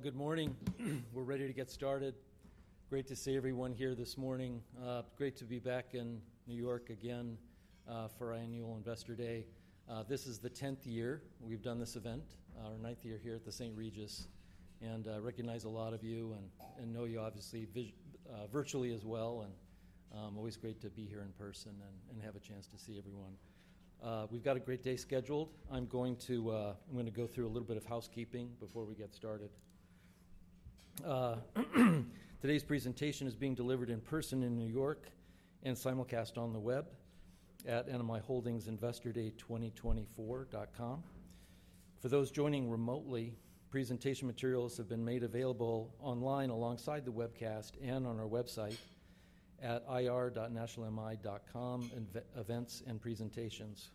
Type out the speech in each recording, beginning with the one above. Good morning. We're ready to get started. Great to see everyone here this morning. Great to be back in New York again for our annual Investor Day. This is the 10th year we've done this event, our ninth year here at the St. Regis, and I recognize a lot of you and know you, obviously, virtually as well. Always great to be here in person and have a chance to see everyone. We've got a great day scheduled. I'm going to go through a little bit of housekeeping before we get started. Today's presentation is being delivered in person in New York and simulcast on the web at nmiholdingsinvestorday2024.com. For those joining remotely, presentation materials have been made available online alongside the webcast and on our website at ir.nationalmi.com/eventsandpresentations.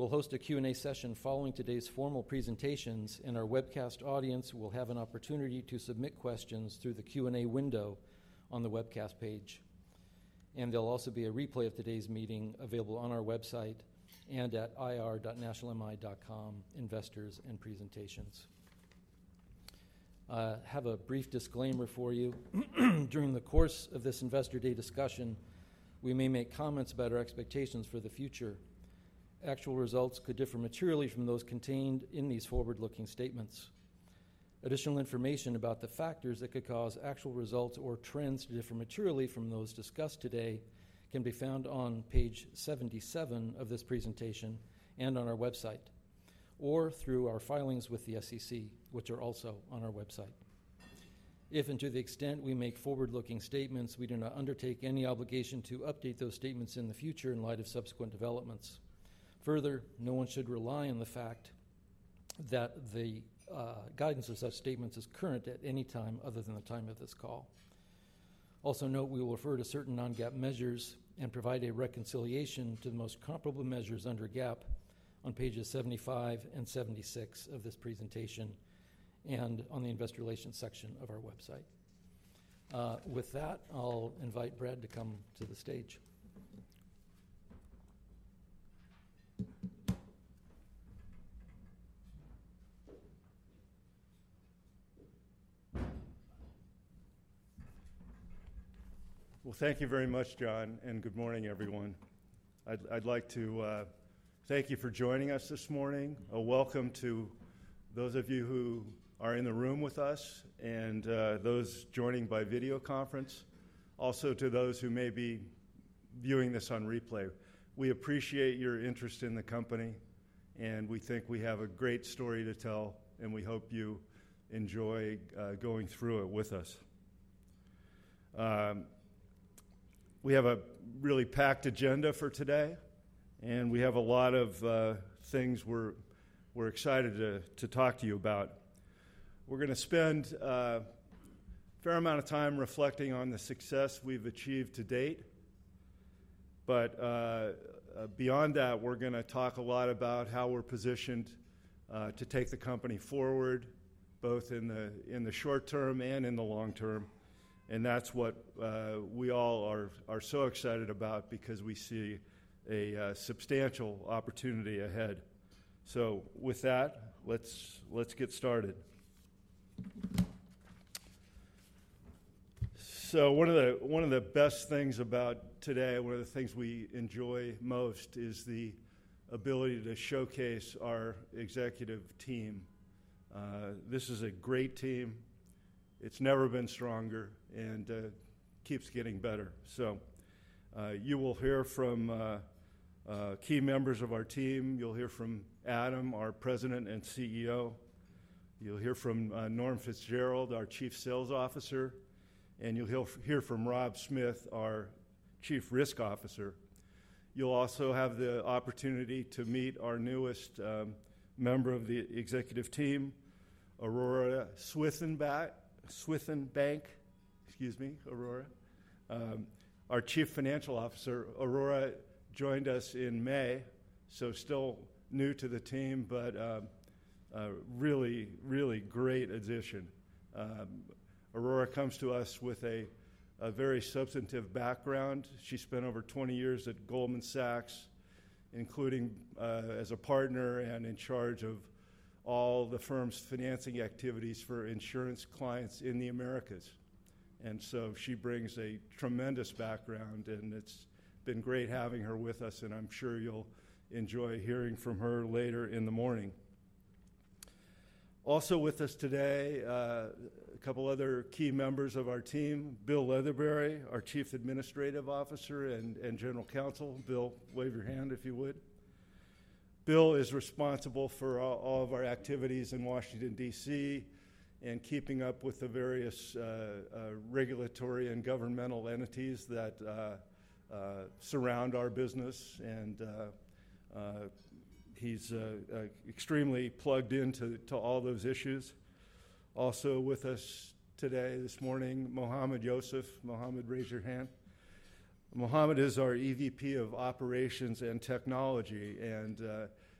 We'll host a Q&A session following today's formal presentations, and our webcast audience will have an opportunity to submit questions through the Q&A window on the webcast page, and there'll also be a replay of today's meeting available on our website and at ir.nationalmi.com/investorsandpresentations. I have a brief disclaimer for you. During the course of this Investor Day discussion, we may make comments about our expectations for the future. Actual results could differ materially from those contained in these forward-looking statements. Additional information about the factors that could cause actual results or trends to differ materially from those discussed today can be found on page 77 of this presentation and on our website, or through our filings with the SEC, which are also on our website. If and to the extent we make forward-looking statements, we do not undertake any obligation to update those statements in the future in light of subsequent developments. Further, no one should rely on the fact that the guidance of such statements is current at any time other than the time of this call. Also note, we will refer to certain non-GAAP measures and provide a reconciliation to the most comparable measures under GAAP on pages 75 and 76 of this presentation and on the Investor Relations section of our website. With that, I'll invite Brad to come to the stage. Thank you very much, John, and good morning, everyone. I'd like to thank you for joining us this morning. A welcome to those of you who are in the room with us and those joining by video conference. Also, to those who may be viewing this on replay. We appreciate your interest in the company, and we think we have a great story to tell, and we hope you enjoy going through it with us. We have a really packed agenda for today, and we have a lot of things we're excited to talk to you about. We're going to spend a fair amount of time reflecting on the success we've achieved to date. But beyond that, we're going to talk a lot about how we're positioned to take the company forward, both in the short term and in the long term. And that's what we all are so excited about because we see a substantial opportunity ahead. So with that, let's get started. So one of the best things about today, one of the things we enjoy most, is the ability to showcase our executive team. This is a great team. It's never been stronger and keeps getting better. So you will hear from key members of our team. You'll hear from Adam, our President and CEO. You'll hear from Norm Fitzgerald, our Chief Sales Officer. And you'll hear from Rob Smith, our Chief Risk Officer. You'll also have the opportunity to meet our newest member of the executive team, Aurora Swithenbank. Excuse me, Aurora. Our Chief Financial Officer, Aurora, joined us in May, so still new to the team, but really, really great addition. Aurora comes to us with a very substantive background. She spent over 20 years at Goldman Sachs, including as a partner and in charge of all the firm's financing activities for insurance clients in the Americas. And so she brings a tremendous background, and it's been great having her with us, and I'm sure you'll enjoy hearing from her later in the morning. Also with us today, a couple of other key members of our team, Bill Leatherberry, our Chief Administrative Officer and General Counsel. Bill, wave your hand if you would. Bill is responsible for all of our activities in Washington, D.C., and keeping up with the various regulatory and governmental entities that surround our business. And he's extremely plugged into all those issues. Also with us today this morning, Mohammad Yousaf. Mohammad, raise your hand. Mohammad is our EVP of Operations and Technology, and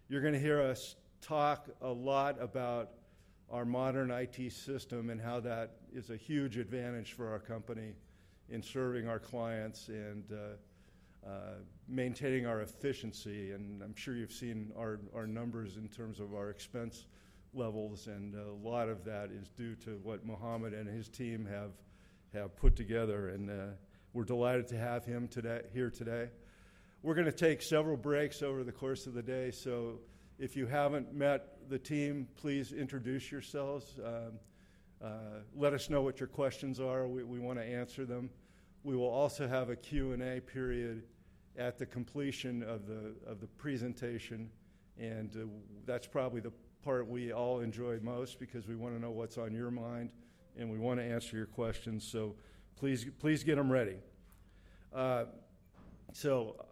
you're going to hear us talk a lot about our modern IT system and how that is a huge advantage for our company in serving our clients and maintaining our efficiency, and I'm sure you've seen our numbers in terms of our expense levels, and a lot of that is due to what Mohammad and his team have put together, and we're delighted to have him here today. We're going to take several breaks over the course of the day, so if you haven't met the team, please introduce yourselves. Let us know what your questions are. We want to answer them. We will also have a Q&A period at the completion of the presentation, and that's probably the part we all enjoy most because we want to know what's on your mind, and we want to answer your questions. So please get them ready. So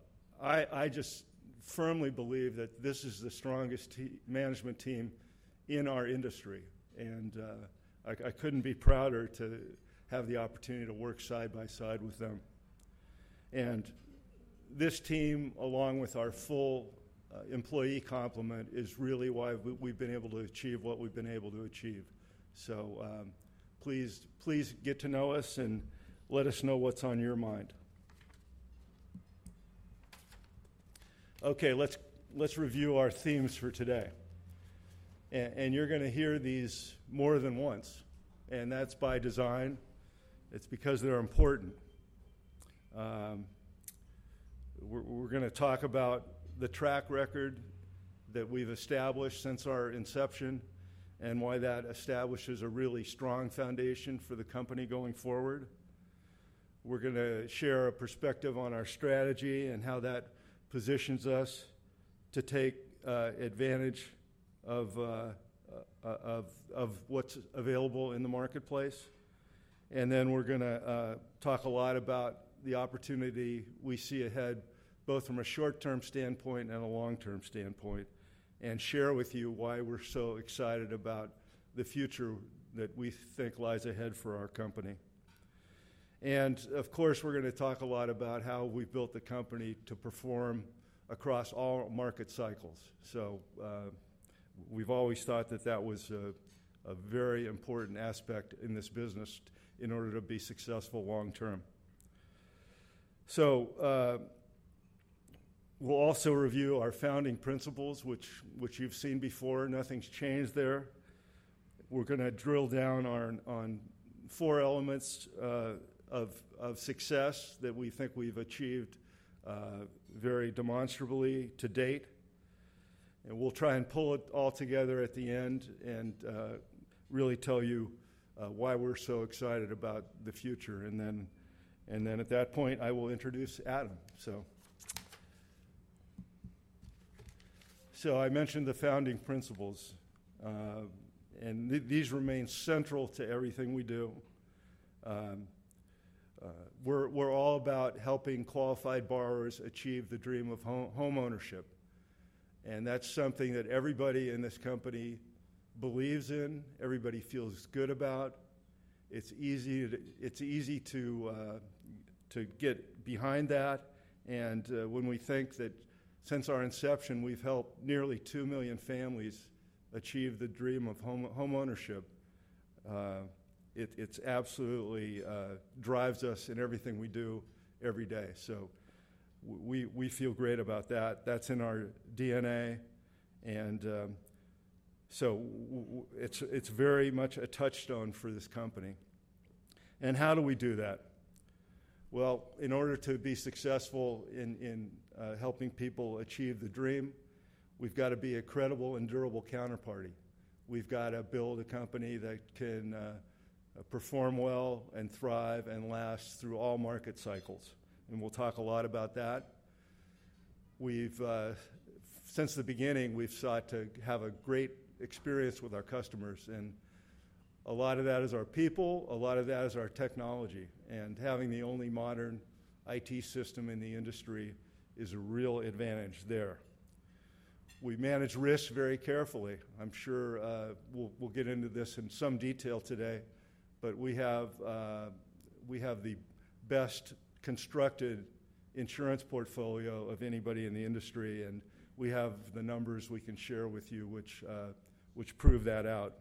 I just firmly believe that this is the strongest management team in our industry, and I couldn't be prouder to have the opportunity to work side by side with them. And this team, along with our full employee complement, is really why we've been able to achieve what we've been able to achieve. So please get to know us and let us know what's on your mind. Okay, let's review our themes for today. And you're going to hear these more than once, and that's by design. It's because they're important. We're going to talk about the track record that we've established since our inception and why that establishes a really strong foundation for the company going forward. We're going to share a perspective on our strategy and how that positions us to take advantage of what's available in the marketplace. And then we're going to talk a lot about the opportunity we see ahead, both from a short-term standpoint and a long-term standpoint, and share with you why we're so excited about the future that we think lies ahead for our company. And of course, we're going to talk a lot about how we built the company to perform across all market cycles. So we've always thought that that was a very important aspect in this business in order to be successful long-term. So we'll also review our founding principles, which you've seen before. Nothing's changed there. We're going to drill down on four elements of success that we think we've achieved very demonstrably to date. And we'll try and pull it all together at the end and really tell you why we're so excited about the future. And then at that point, I will introduce Adam, so. I mentioned the founding principles, and these remain central to everything we do. We're all about helping qualified borrowers achieve the dream of homeownership. And that's something that everybody in this company believes in, everybody feels good about. It's easy to get behind that. And when we think that since our inception, we've helped nearly 2 million families achieve the dream of homeownership, it absolutely drives us in everything we do every day. We feel great about that. That's in our DNA. And so it's very much a touchstone for this company. How do we do that? In order to be successful in helping people achieve the dream, we've got to be a credible and durable counterparty. We've got to build a company that can perform well and thrive and last through all market cycles. And we'll talk a lot about that. Since the beginning, we've sought to have a great experience with our customers. And a lot of that is our people. A lot of that is our technology. And having the only modern IT system in the industry is a real advantage there. We manage risk very carefully. I'm sure we'll get into this in some detail today. But we have the best constructed insurance portfolio of anybody in the industry. And we have the numbers we can share with you, which prove that out.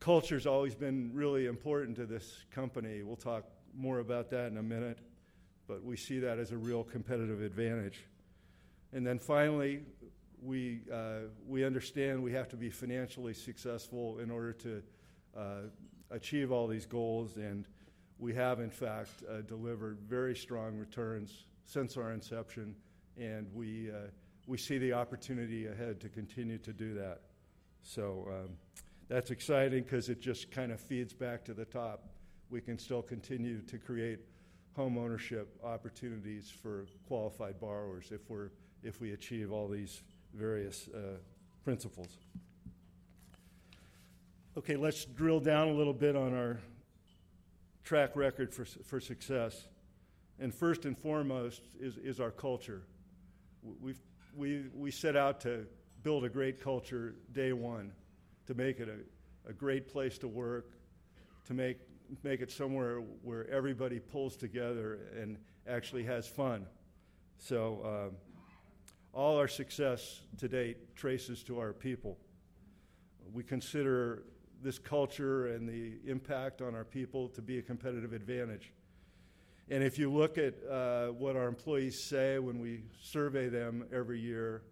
Culture has always been really important to this company. We'll talk more about that in a minute. But we see that as a real competitive advantage. And then finally, we understand we have to be financially successful in order to achieve all these goals. And we have, in fact, delivered very strong returns since our inception. And we see the opportunity ahead to continue to do that. So that's exciting because it just kind of feeds back to the top. We can still continue to create homeownership opportunities for qualified borrowers if we achieve all these various principles. Okay, let's drill down a little bit on our track record for success. And first and foremost is our culture. We set out to build a great culture day one to make it a great place to work, to make it somewhere where everybody pulls together and actually has fun. So all our success to date traces to our people. We consider this culture and the impact on our people to be a competitive advantage. And if you look at what our employees say when we survey them every year,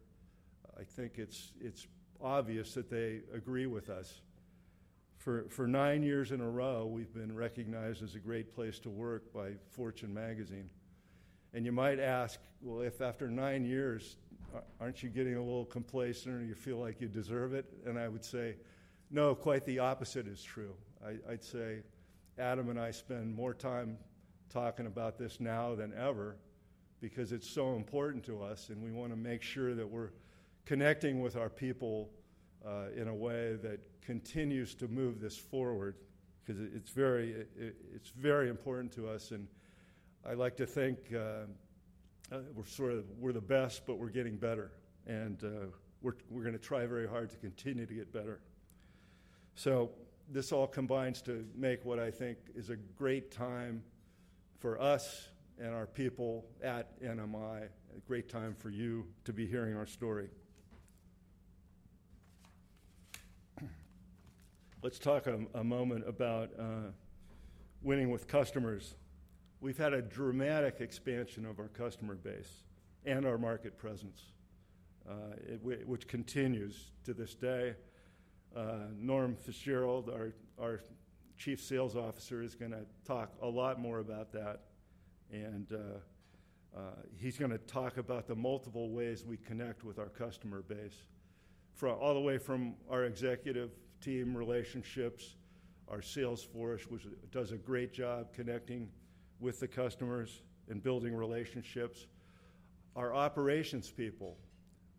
I think it's obvious that they agree with us. For nine years in a row, we've been recognized as a great place to work by Fortune Magazine. And you might ask, well, if after nine years, aren't you getting a little complacent or you feel like you deserve it? And I would say, no, quite the opposite is true. I'd say Adam and I spend more time talking about this now than ever because it's so important to us. And we want to make sure that we're connecting with our people in a way that continues to move this forward because it's very important to us. And I'd like to think we're the best, but we're getting better. And we're going to try very hard to continue to get better. So this all combines to make what I think is a great time for us and our people at NMI, a great time for you to be hearing our story. Let's talk a moment about winning with customers. We've had a dramatic expansion of our customer base and our market presence, which continues to this day. Norm Fitzgerald, our Chief Sales Officer, is going to talk a lot more about that, and he's going to talk about the multiple ways we connect with our customer base, all the way from our executive team relationships, our sales force, which does a great job connecting with the customers and building relationships. Our operations people,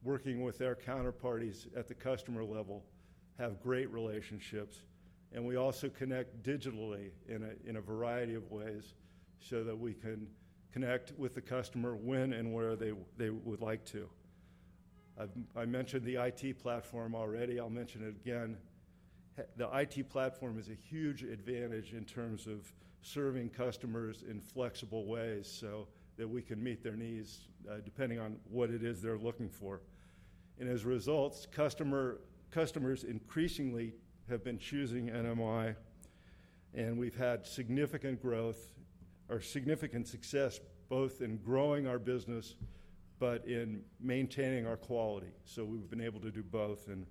working with our counterparties at the customer level, have great relationships, and we also connect digitally in a variety of ways so that we can connect with the customer when and where they would like to. I mentioned the IT platform already. I'll mention it again. The IT platform is a huge advantage in terms of serving customers in flexible ways so that we can meet their needs depending on what it is they're looking for, and as a result, customers increasingly have been choosing NMI. And we've had significant growth or significant success both in growing our business but in maintaining our quality, so we've been able to do both, and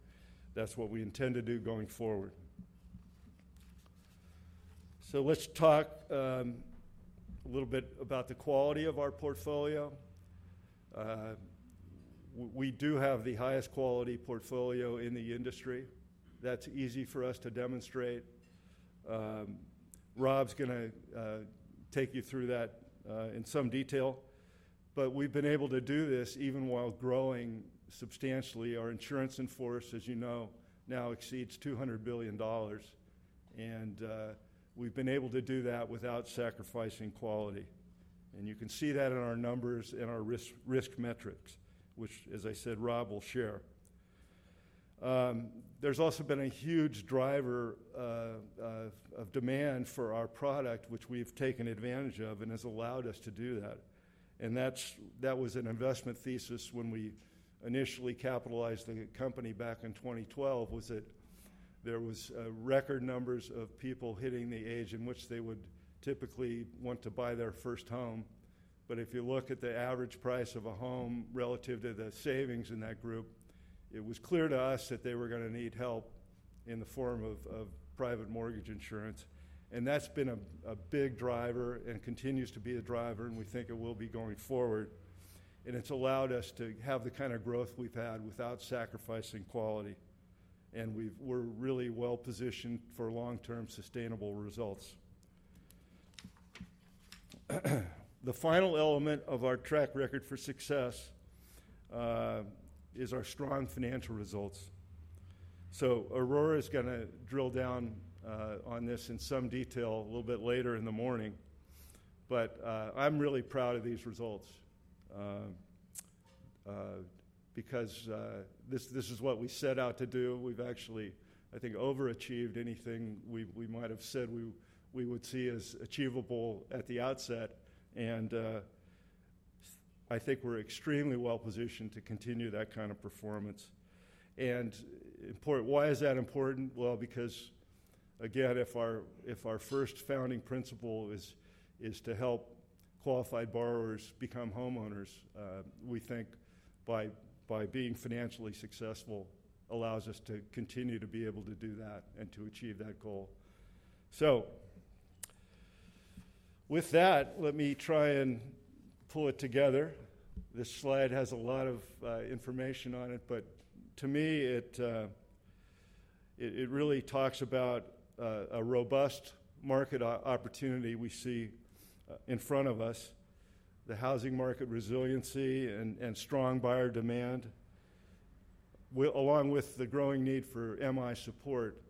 that's what we intend to do going forward. So let's talk a little bit about the quality of our portfolio. We do have the highest quality portfolio in the industry. That's easy for us to demonstrate. Rob's going to take you through that in some detail, but we've been able to do this even while growing substantially. Our insurance in force, as you know, now exceeds $200 billion. We've been able to do that without sacrificing quality. You can see that in our numbers and our risk metrics, which, as I said, Rob will share. There's also been a huge driver of demand for our product, which we've taken advantage of and has allowed us to do that. That was an investment thesis when we initially capitalized the company back in 2012, was that there were record numbers of people hitting the age in which they would typically want to buy their first home. If you look at the average price of a home relative to the savings in that group, it was clear to us that they were going to need help in the form of private mortgage insurance. That's been a big driver and continues to be a driver, and we think it will be going forward. It's allowed us to have the kind of growth we've had without sacrificing quality. We're really well positioned for long-term sustainable results. The final element of our track record for success is our strong financial results. Aurora is going to drill down on this in some detail a little bit later in the morning. I'm really proud of these results because this is what we set out to do. We've actually, I think, overachieved anything we might have said we would see as achievable at the outset. I think we're extremely well positioned to continue that kind of performance. Why is that important? Because, again, if our first founding principle is to help qualified borrowers become homeowners, we think by being financially successful allows us to continue to be able to do that and to achieve that goal. So with that, let me try and pull it together. This slide has a lot of information on it. But to me, it really talks about a robust market opportunity we see in front of us, the housing market resiliency and strong buyer demand, along with the growing need for MI support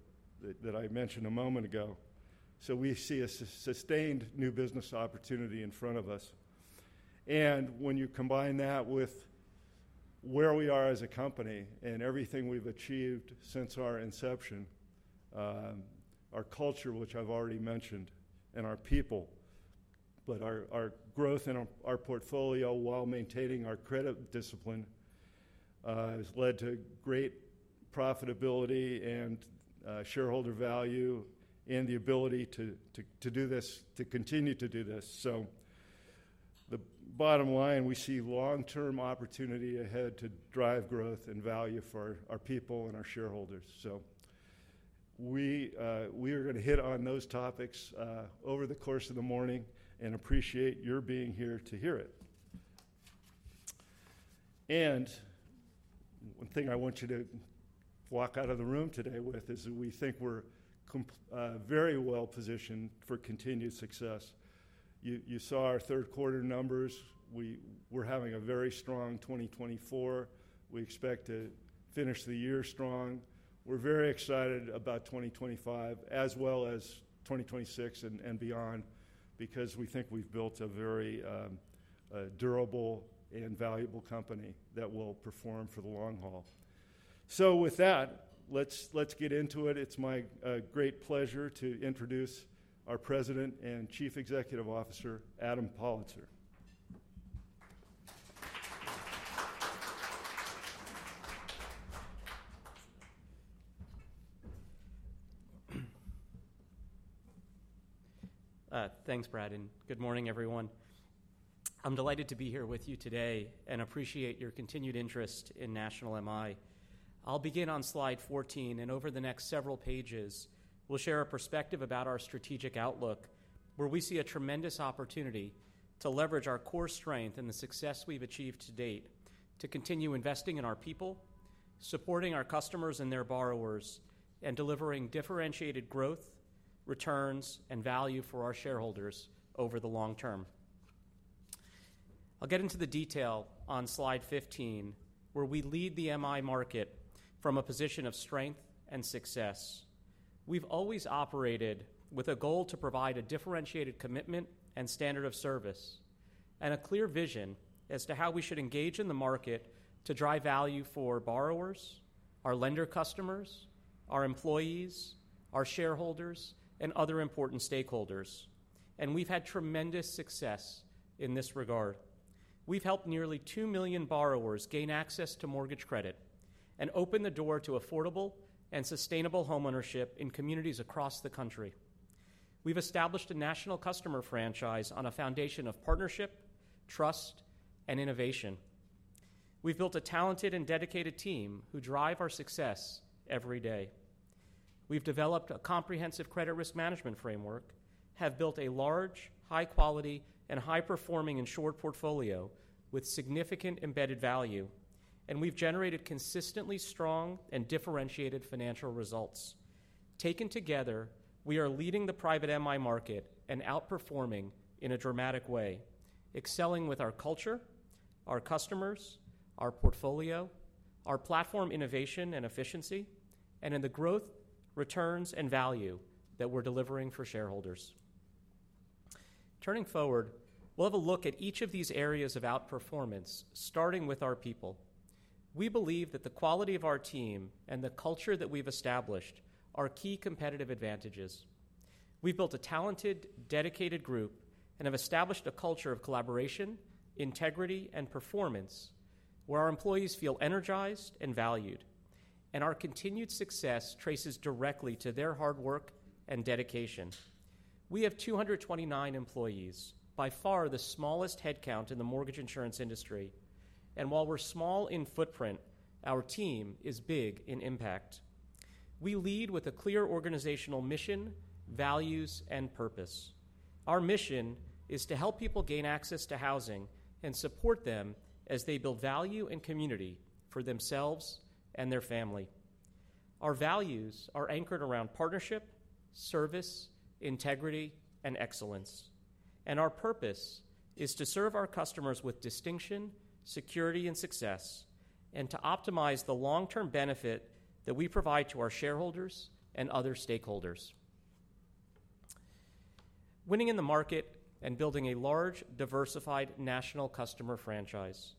that I mentioned a moment ago. So we see a sustained new business opportunity in front of us. And when you combine that with where we are as a company and everything we've achieved since our inception, our culture, which I've already mentioned, and our people, but our growth in our portfolio while maintaining our credit discipline has led to great profitability and shareholder value and the ability to do this, to continue to do this. So the bottom line, we see long-term opportunity ahead to drive growth and value for our people and our shareholders. So we are going to hit on those topics over the course of the morning and appreciate your being here to hear it. And one thing I want you to walk out of the room today with is that we think we're very well positioned for continued success. You saw our third quarter numbers. We're having a very strong 2024. We expect to finish the year strong. We're very excited about 2025, as well as 2026 and beyond, because we think we've built a very durable and valuable company that will perform for the long haul. So with that, let's get into it. It's my great pleasure to introduce our President and Chief Executive Officer, Adam Pollitzer. Thanks, Bradley. Good morning, everyone. I'm delighted to be here with you today and appreciate your continued interest in National MI. I'll begin on slide 14. Over the next several pages, we'll share a perspective about our strategic outlook, where we see a tremendous opportunity to leverage our core strength and the success we've achieved to date to continue investing in our people, supporting our customers and their borrowers, and delivering differentiated growth, returns, and value for our shareholders over the long term. I'll get into the detail on slide 15, where we lead the MI market from a position of strength and success. We've always operated with a goal to provide a differentiated commitment and standard of service and a clear vision as to how we should engage in the market to drive value for borrowers, our lender customers, our employees, our shareholders, and other important stakeholders. We've had tremendous success in this regard. We've helped nearly 2 million borrowers gain access to mortgage credit and open the door to affordable and sustainable homeownership in communities across the country. We've established a national customer franchise on a foundation of partnership, trust, and innovation. We've built a talented and dedicated team who drive our success every day. We've developed a comprehensive credit risk management framework, have built a large, high-quality, and high-performing insured portfolio with significant embedded value, and we've generated consistently strong and differentiated financial results. Taken together, we are leading the private MI market and outperforming in a dramatic way, excelling with our culture, our customers, our portfolio, our platform innovation and efficiency, and in the growth, returns, and value that we're delivering for shareholders. Turning forward, we'll have a look at each of these areas of outperformance, starting with our people. We believe that the quality of our team and the culture that we've established are key competitive advantages. We've built a talented, dedicated group and have established a culture of collaboration, integrity, and performance where our employees feel energized and valued, and our continued success traces directly to their hard work and dedication. We have 229 employees, by far the smallest headcount in the mortgage insurance industry, and while we're small in footprint, our team is big in impact. We lead with a clear organizational mission, values, and purpose. Our mission is to help people gain access to housing and support them as they build value and community for themselves and their family. Our values are anchored around partnership, service, integrity, and excellence. And our purpose is to serve our customers with distinction, security, and success, and to optimize the long-term benefit that we provide to our shareholders and other stakeholders. Winning in the market and building a large, diversified national customer franchise.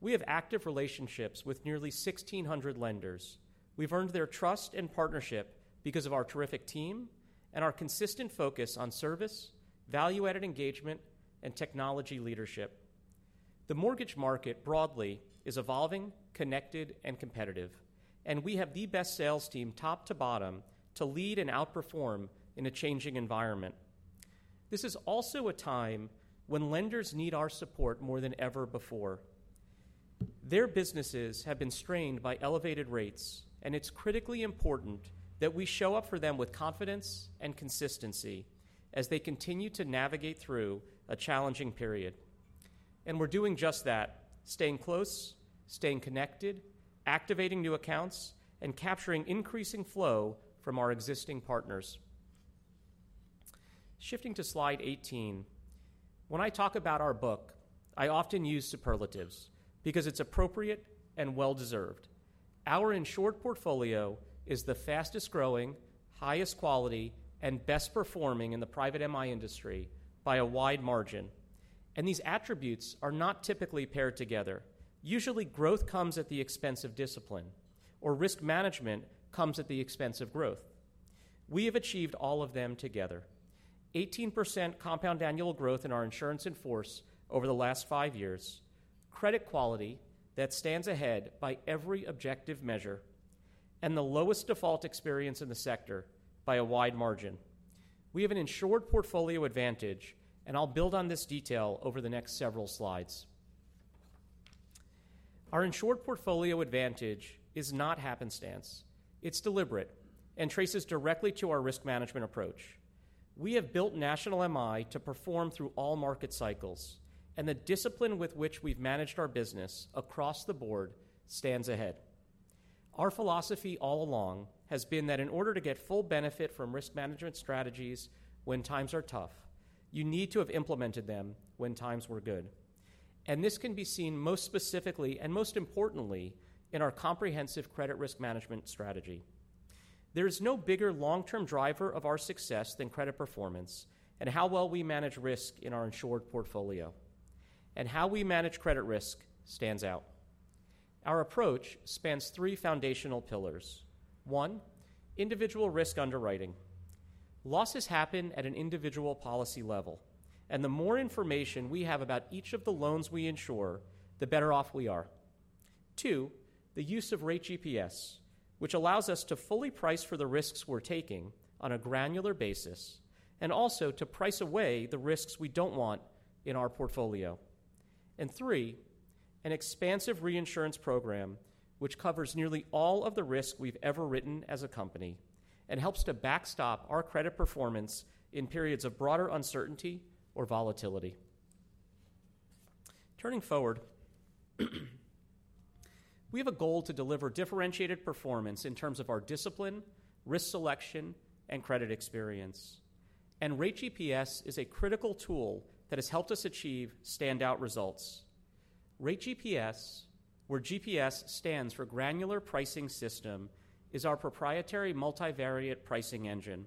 We have active relationships with nearly 1,600 lenders. We've earned their trust and partnership because of our terrific team and our consistent focus on service, value-added engagement, and technology leadership. The mortgage market broadly is evolving, connected, and competitive. And we have the best sales team top to bottom to lead and outperform in a changing environment. This is also a time when lenders need our support more than ever before. Their businesses have been strained by elevated rates, and it's critically important that we show up for them with confidence and consistency as they continue to navigate through a challenging period. And we're doing just that, staying close, staying connected, activating new accounts, and capturing increasing flow from our existing partners. Shifting to slide 18, when I talk about our book, I often use superlatives because it's appropriate and well-deserved. Our insured portfolio is the fastest growing, highest quality, and best performing in the private MI industry by a wide margin. And these attributes are not typically paired together. Usually, growth comes at the expense of discipline, or risk management comes at the expense of growth. We have achieved all of them together: 18% compound annual growth in our insurance in force over the last five years, credit quality that stands ahead by every objective measure, and the lowest default experience in the sector by a wide margin. We have an insured portfolio advantage, and I'll build on this detail over the next several slides. Our insured portfolio advantage is not happenstance. It's deliberate and traces directly to our risk management approach. We have built National MI to perform through all market cycles, and the discipline with which we've managed our business across the board stands ahead. Our philosophy all along has been that in order to get full benefit from risk management strategies when times are tough, you need to have implemented them when times were good. And this can be seen most specifically and most importantly in our comprehensive credit risk management strategy. There is no bigger long-term driver of our success than credit performance and how well we manage risk in our insured portfolio. And how we manage credit risk stands out. Our approach spans three foundational pillars. One, individual risk underwriting. Losses happen at an individual policy level. And the more information we have about each of the loans we insure, the better off we are. Two, the use of Rate GPS, which allows us to fully price for the risks we're taking on a granular basis and also to price away the risks we don't want in our portfolio, and three, an expansive reinsurance program, which covers nearly all of the risks we've ever written as a company and helps to backstop our credit performance in periods of broader uncertainty or volatility. Turning forward, we have a goal to deliver differentiated performance in terms of our discipline, risk selection, and credit experience, and Rate GPS is a critical tool that has helped us achieve standout results. Rate GPS, where GPS stands for granular pricing system, is our proprietary multivariate pricing engine.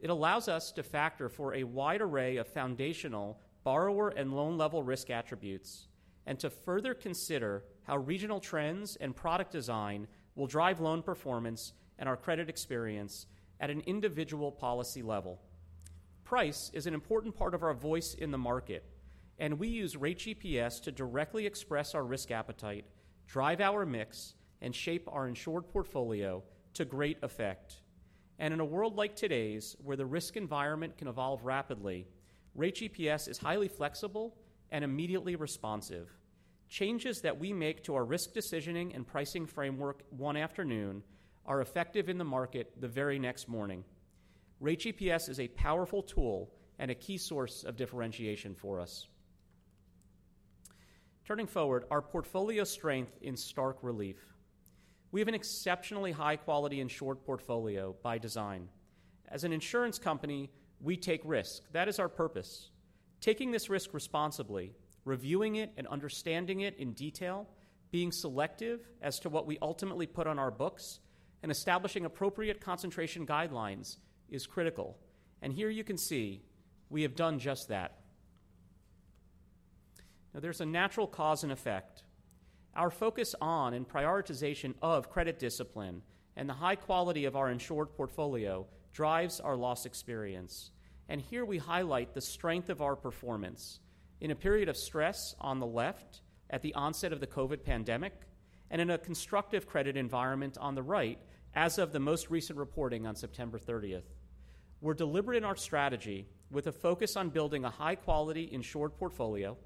It allows us to factor for a wide array of foundational borrower and loan-level risk attributes and to further consider how regional trends and product design will drive loan performance and our credit experience at an individual policy level. Price is an important part of our voice in the market, and we use Rate GPS to directly express our risk appetite, drive our mix, and shape our insured portfolio to great effect, and in a world like today's, where the risk environment can evolve rapidly, Rate GPS is highly flexible and immediately responsive. Changes that we make to our risk decisioning and pricing framework one afternoon are effective in the market the very next morning. Rate GPS is a powerful tool and a key source of differentiation for us. Turning forward, our portfolio strength in stark relief. We have an exceptionally high-quality insured portfolio by design. As an insurance company, we take risk. That is our purpose. Taking this risk responsibly, reviewing it and understanding it in detail, being selective as to what we ultimately put on our books, and establishing appropriate concentration guidelines is critical. And here you can see we have done just that. Now, there's a natural cause and effect. Our focus on and prioritization of credit discipline and the high quality of our insured portfolio drives our loss experience. And here we highlight the strength of our performance in a period of stress on the left at the onset of the COVID pandemic and in a constructive credit environment on the right as of the most recent reporting on September 30th. We're deliberate in our strategy with a focus on building a high-quality insured portfolio,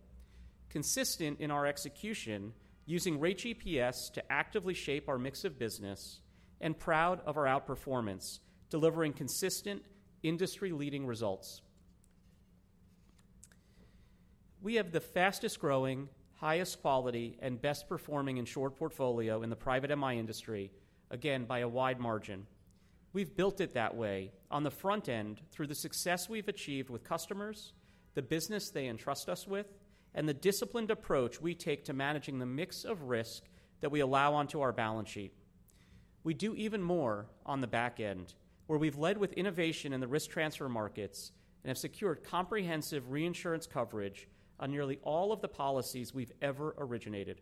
consistent in our execution using Rate GPS to actively shape our mix of business, and proud of our outperformance, delivering consistent industry-leading results. We have the fastest growing, highest quality, and best-performing insured portfolio in the private MI industry, again, by a wide margin. We've built it that way on the front end through the success we've achieved with customers, the business they entrust us with, and the disciplined approach we take to managing the mix of risk that we allow onto our balance sheet. We do even more on the back end, where we've led with innovation in the risk transfer markets and have secured comprehensive reinsurance coverage on nearly all of the policies we've ever originated.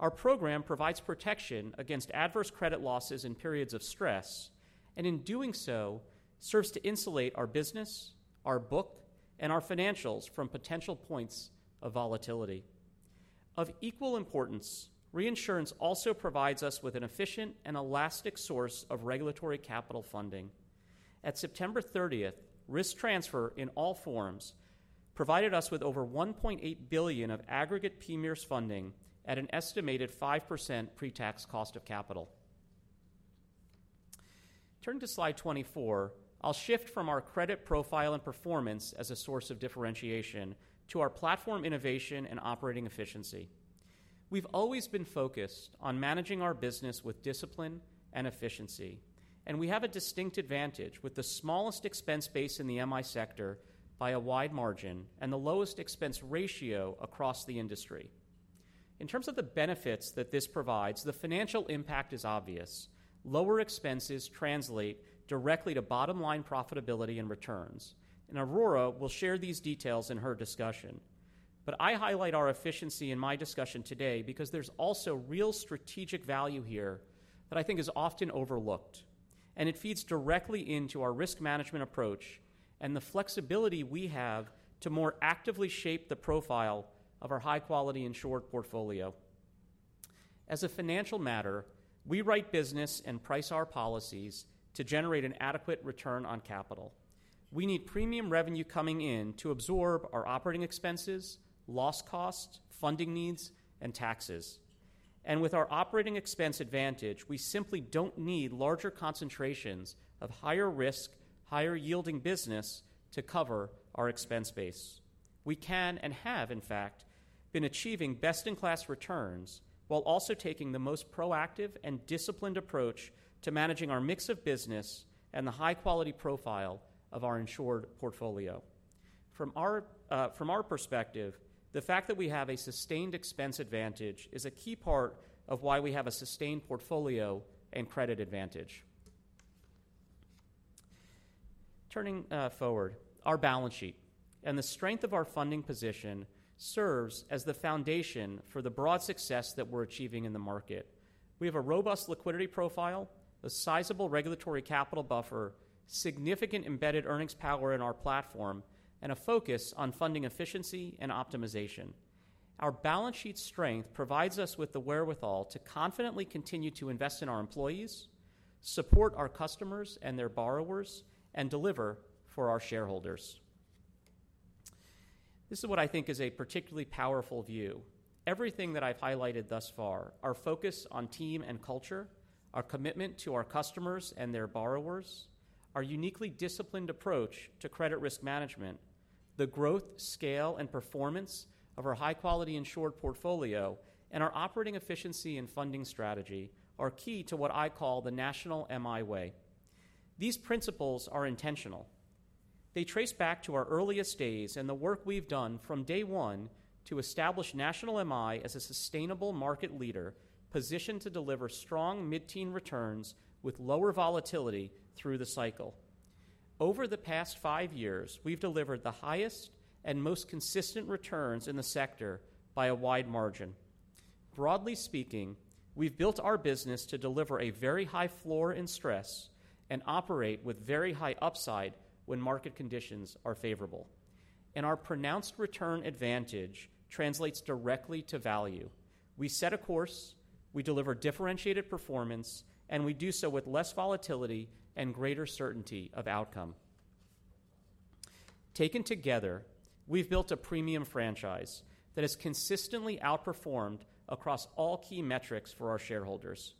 Our program provides protection against adverse credit losses in periods of stress, and in doing so, serves to insulate our business, our book, and our financials from potential points of volatility. Of equal importance, reinsurance also provides us with an efficient and elastic source of regulatory capital funding. At September 30th, risk transfer in all forms provided us with over $1.8 billion of aggregate PMIERs funding at an estimated 5% pre-tax cost of capital. Turning to slide 24, I'll shift from our credit profile and performance as a source of differentiation to our platform innovation and operating efficiency. We've always been focused on managing our business with discipline and efficiency, and we have a distinct advantage with the smallest expense base in the MI sector by a wide margin and the lowest expense ratio across the industry. In terms of the benefits that this provides, the financial impact is obvious. Lower expenses translate directly to bottom-line profitability and returns, and Aurora will share these details in her discussion, but I highlight our efficiency in my discussion today because there's also real strategic value here that I think is often overlooked, and it feeds directly into our risk management approach and the flexibility we have to more actively shape the profile of our high-quality insured portfolio. As a financial matter, we write business and price our policies to generate an adequate return on capital. We need premium revenue coming in to absorb our operating expenses, loss costs, funding needs, and taxes, and with our operating expense advantage, we simply don't need larger concentrations of higher risk, higher-yielding business to cover our expense base. We can and have, in fact, been achieving best-in-class returns while also taking the most proactive and disciplined approach to managing our mix of business and the high-quality profile of our insured portfolio. From our perspective, the fact that we have a sustained expense advantage is a key part of why we have a sustained portfolio and credit advantage. Turning forward, our balance sheet and the strength of our funding position serves as the foundation for the broad success that we're achieving in the market. We have a robust liquidity profile, a sizable regulatory capital buffer, significant embedded earnings power in our platform, and a focus on funding efficiency and optimization. Our balance sheet strength provides us with the wherewithal to confidently continue to invest in our employees, support our customers and their borrowers, and deliver for our shareholders. This is what I think is a particularly powerful view. Everything that I've highlighted thus far, our focus on team and culture, our commitment to our customers and their borrowers, our uniquely disciplined approach to credit risk management, the growth, scale, and performance of our high-quality insured portfolio, and our operating efficiency and funding strategy are key to what I call the National MI way. These principles are intentional. They trace back to our earliest days and the work we've done from day one to establish National MI as a sustainable market leader positioned to deliver strong mid-teen returns with lower volatility through the cycle. Over the past five years, we've delivered the highest and most consistent returns in the sector by a wide margin. Broadly speaking, we've built our business to deliver a very high floor in stress and operate with very high upside when market conditions are favorable. And our pronounced return advantage translates directly to value. We set a course, we deliver differentiated performance, and we do so with less volatility and greater certainty of outcome. Taken together, we've built a premium franchise that has consistently outperformed across all key metrics for our shareholders.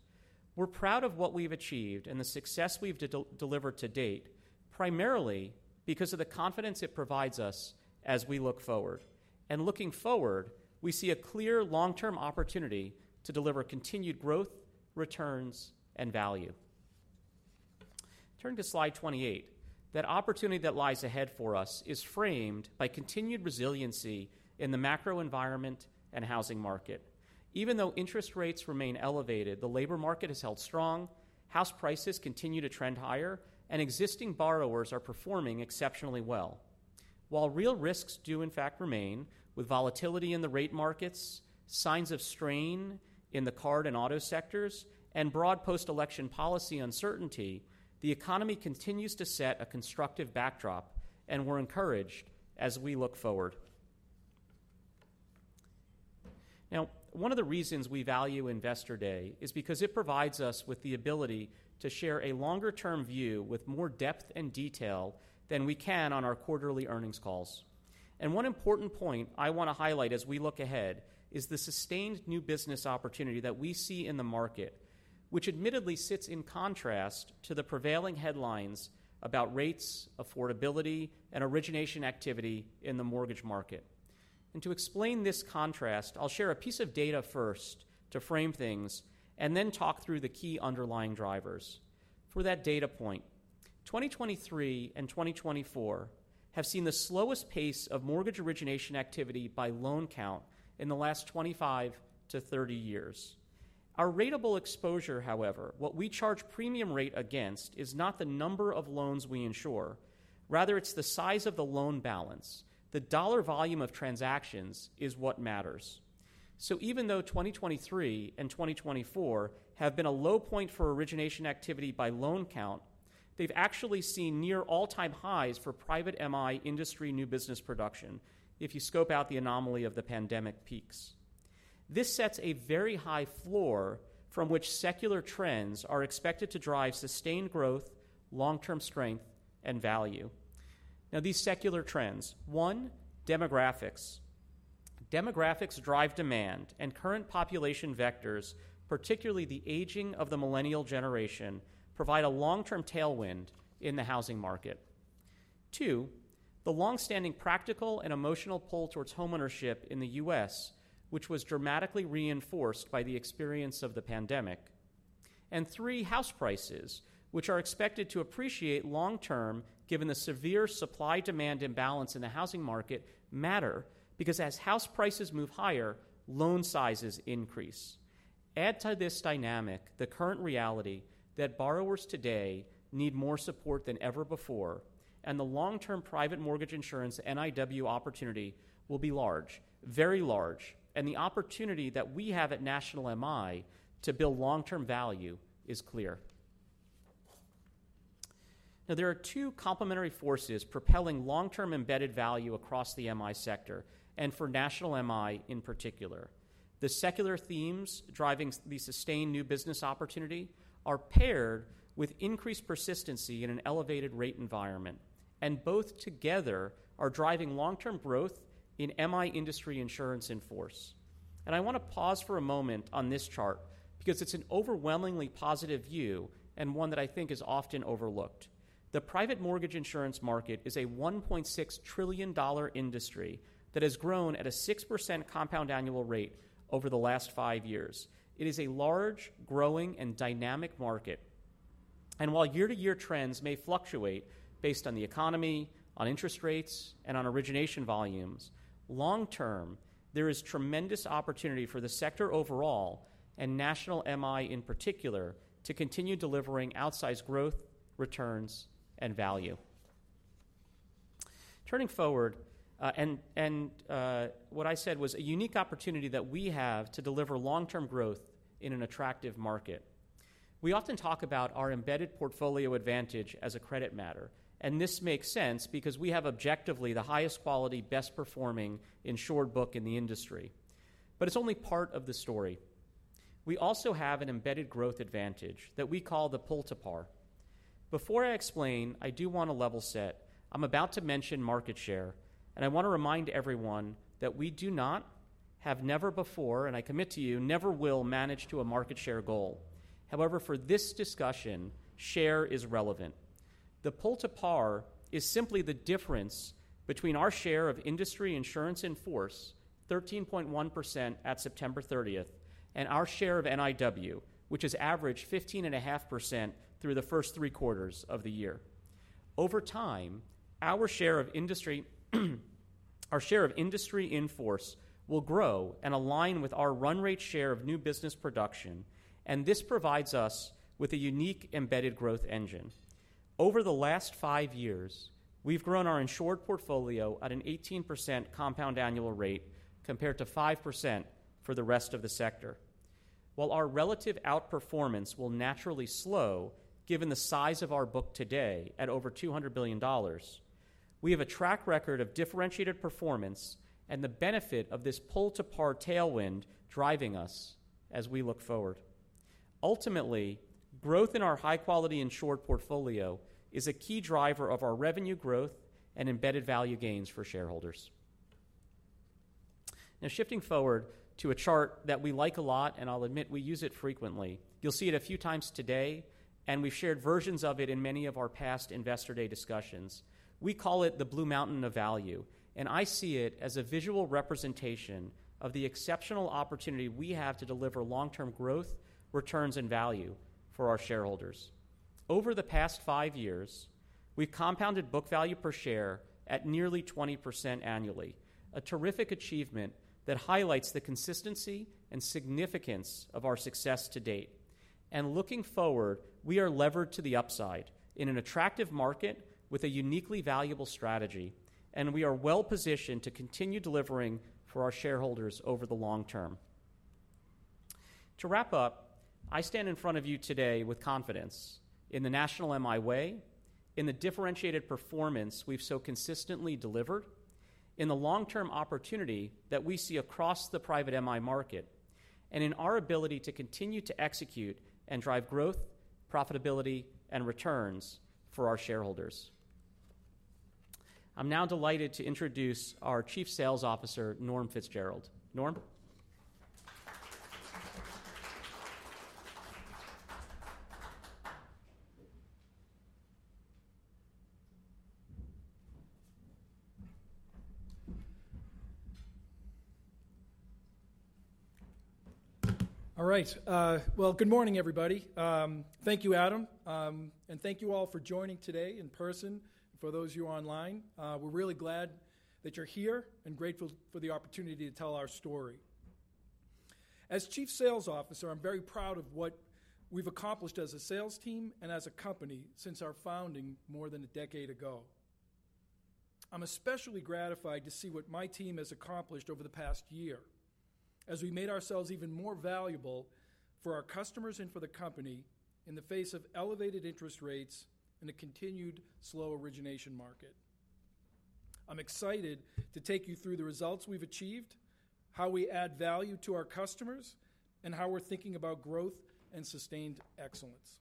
We're proud of what we've achieved and the success we've delivered to date, primarily because of the confidence it provides us as we look forward. Looking forward, we see a clear long-term opportunity to deliver continued growth, returns, and value. Turning to slide 28, that opportunity that lies ahead for us is framed by continued resiliency in the macro environment and housing market. Even though interest rates remain elevated, the labor market has held strong, house prices continue to trend higher, and existing borrowers are performing exceptionally well. While real risks do in fact remain with volatility in the rate markets, signs of strain in the card and auto sectors, and broad post-election policy uncertainty, the economy continues to set a constructive backdrop, and we're encouraged as we look forward. Now, one of the reasons we value Investor Day is because it provides us with the ability to share a longer-term view with more depth and detail than we can on our quarterly earnings calls. And one important point I want to highlight as we look ahead is the sustained new business opportunity that we see in the market, which admittedly sits in contrast to the prevailing headlines about rates, affordability, and origination activity in the mortgage market. And to explain this contrast, I'll share a piece of data first to frame things and then talk through the key underlying drivers. For that data point, 2023 and 2024 have seen the slowest pace of mortgage origination activity by loan count in the last 25 to 30 years. Our ratable exposure, however, what we charge premium rate against is not the number of loans we insure. Rather, it's the size of the loan balance. The dollar volume of transactions is what matters. So even though 2023 and 2024 have been a low point for origination activity by loan count, they've actually seen near all-time highs for private MI industry new business production if you scope out the anomaly of the pandemic peaks. This sets a very high floor from which secular trends are expected to drive sustained growth, long-term strength, and value. Now, these secular trends, one, demographics. Demographics drive demand, and current population vectors, particularly the aging of the millennial generation, provide a long-term tailwind in the housing market. Two, the long-standing practical and emotional pull towards homeownership in the U.S., which was dramatically reinforced by the experience of the pandemic, and three, house prices, which are expected to appreciate long-term given the severe supply-demand imbalance in the housing market, matter because as house prices move higher, loan sizes increase. Add to this dynamic the current reality that borrowers today need more support than ever before, and the long-term private mortgage insurance NIW opportunity will be large, very large, and the opportunity that we have at National MI to build long-term value is clear. Now, there are two complementary forces propelling long-term embedded value across the MI sector and for National MI in particular. The secular themes driving the sustained new business opportunity are paired with increased persistency in an elevated rate environment, and both together are driving long-term growth in MI industry insurance in force. And I want to pause for a moment on this chart because it's an overwhelmingly positive view and one that I think is often overlooked. The private mortgage insurance market is a $1.6 trillion industry that has grown at a 6% compound annual rate over the last five years. It is a large, growing, and dynamic market. And while year-to-year trends may fluctuate based on the economy, on interest rates, and on origination volumes, long-term, there is tremendous opportunity for the sector overall and National MI in particular to continue delivering outsized growth, returns, and value. Turning forward, and what I said was a unique opportunity that we have to deliver long-term growth in an attractive market. We often talk about our embedded portfolio advantage as a credit matter, and this makes sense because we have objectively the highest quality, best-performing insured book in the industry. But it's only part of the story. We also have an embedded growth advantage that we call the pull-to-par. Before I explain, I do want to level set. I'm about to mention market share, and I want to remind everyone that we have never before, and I commit to you, never will manage to a market share goal. However, for this discussion, share is relevant. The pull-to-par is simply the difference between our share of industry insurance in force, 13.1% at September 30th, and our share of NIW, which has averaged 15.5% through the first three quarters of the year. Over time, our share of industry in force will grow and align with our run rate share of new business production, and this provides us with a unique embedded growth engine. Over the last five years, we've grown our insured portfolio at an 18% compound annual rate compared to 5% for the rest of the sector. While our relative outperformance will naturally slow given the size of our book today at over $200 billion, we have a track record of differentiated performance and the benefit of this pull-to-par tailwind driving us as we look forward. Ultimately, growth in our high-quality insured portfolio is a key driver of our revenue growth and embedded value gains for shareholders. Now, shifting forward to a chart that we like a lot, and I'll admit we use it frequently. You'll see it a few times today, and we've shared versions of it in many of our past Investor Day discussions. We call it the Blue Mountain of Value, and I see it as a visual representation of the exceptional opportunity we have to deliver long-term growth, returns, and value for our shareholders. Over the past five years, we've compounded book value per share at nearly 20% annually, a terrific achievement that highlights the consistency and significance of our success to date. And looking forward, we are levered to the upside in an attractive market with a uniquely valuable strategy, and we are well-positioned to continue delivering for our shareholders over the long term. To wrap up, I stand in front of you today with confidence in the National MI way, in the differentiated performance we've so consistently delivered, in the long-term opportunity that we see across the private MI market, and in our ability to continue to execute and drive growth, profitability, and returns for our shareholders. I'm now delighted to introduce our Chief Sales Officer, Norm Fitzgerald. Norm. All right. Good morning, everybody. Thank you, Adam, and thank you all for joining today in person and for those of you online. We're really glad that you're here and grateful for the opportunity to tell our story. As Chief Sales Officer, I'm very proud of what we've accomplished as a sales team and as a company since our founding more than a decade ago. I'm especially gratified to see what my team has accomplished over the past year as we made ourselves even more valuable for our customers and for the company in the face of elevated interest rates and a continued slow origination market. I'm excited to take you through the results we've achieved, how we add value to our customers, and how we're thinking about growth and sustained excellence.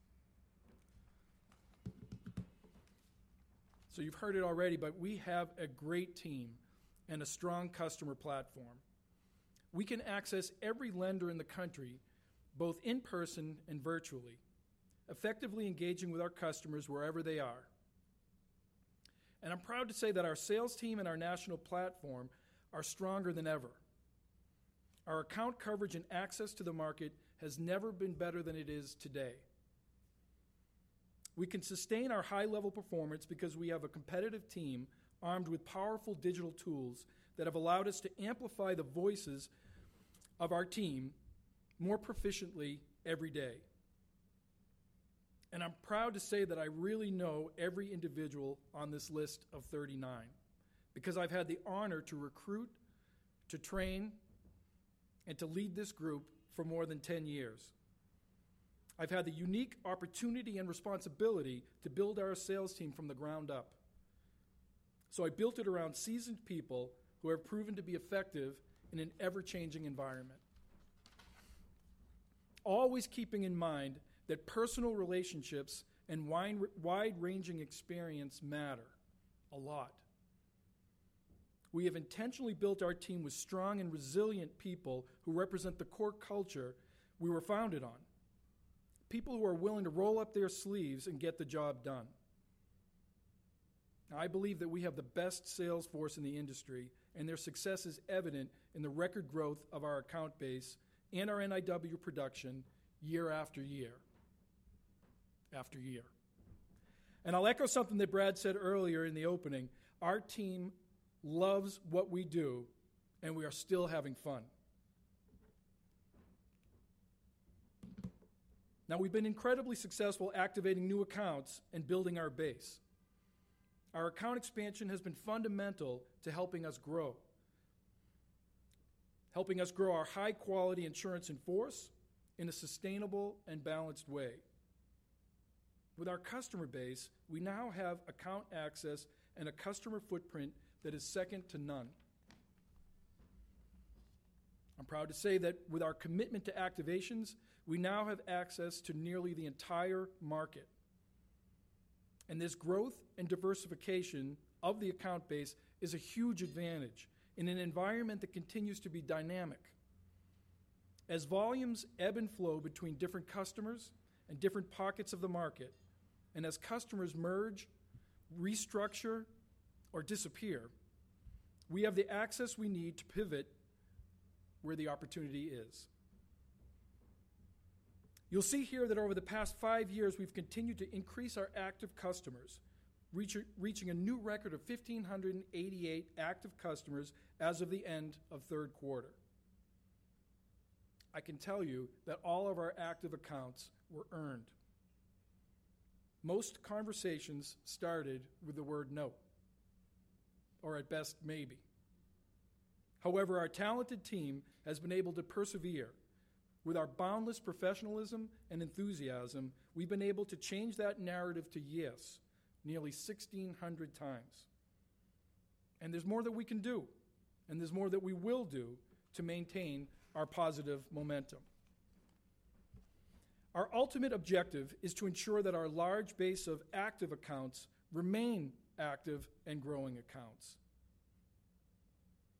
So you've heard it already, but we have a great team and a strong customer platform. We can access every lender in the country, both in person and virtually, effectively engaging with our customers wherever they are. And I'm proud to say that our sales team and our national platform are stronger than ever. Our account coverage and access to the market has never been better than it is today. We can sustain our high-level performance because we have a competitive team armed with powerful digital tools that have allowed us to amplify the voices of our team more proficiently every day. And I'm proud to say that I really know every individual on this list of 39 because I've had the honor to recruit, to train, and to lead this group for more than 10 years. I've had the unique opportunity and responsibility to build our sales team from the ground up, so I built it around seasoned people who have proven to be effective in an ever-changing environment, always keeping in mind that personal relationships and wide-ranging experience matter a lot. We have intentionally built our team with strong and resilient people who represent the core culture we were founded on, people who are willing to roll up their sleeves and get the job done. I believe that we have the best sales force in the industry, and their success is evident in the record growth of our account base and our NIW production year after year after year, and I'll echo something that Brad said earlier in the opening. Our team loves what we do, and we are still having fun. Now, we've been incredibly successful activating new accounts and building our base. Our account expansion has been fundamental to helping us grow, helping us grow our high-quality insurance in force in a sustainable and balanced way. With our customer base, we now have account access and a customer footprint that is second to none. I'm proud to say that with our commitment to activations, we now have access to nearly the entire market. This growth and diversification of the account base is a huge advantage in an environment that continues to be dynamic. As volumes ebb and flow between different customers and different pockets of the market, and as customers merge, restructure, or disappear, we have the access we need to pivot where the opportunity is. You'll see here that over the past five years, we've continued to increase our active customers, reaching a new record of 1,588 active customers as of the end of third quarter. I can tell you that all of our active accounts were earned. Most conversations started with the word no, or at best, maybe. However, our talented team has been able to persevere. With our boundless professionalism and enthusiasm, we've been able to change that narrative to yes nearly 1,600 times, and there's more that we can do, and there's more that we will do to maintain our positive momentum. Our ultimate objective is to ensure that our large base of active accounts remain active and growing accounts.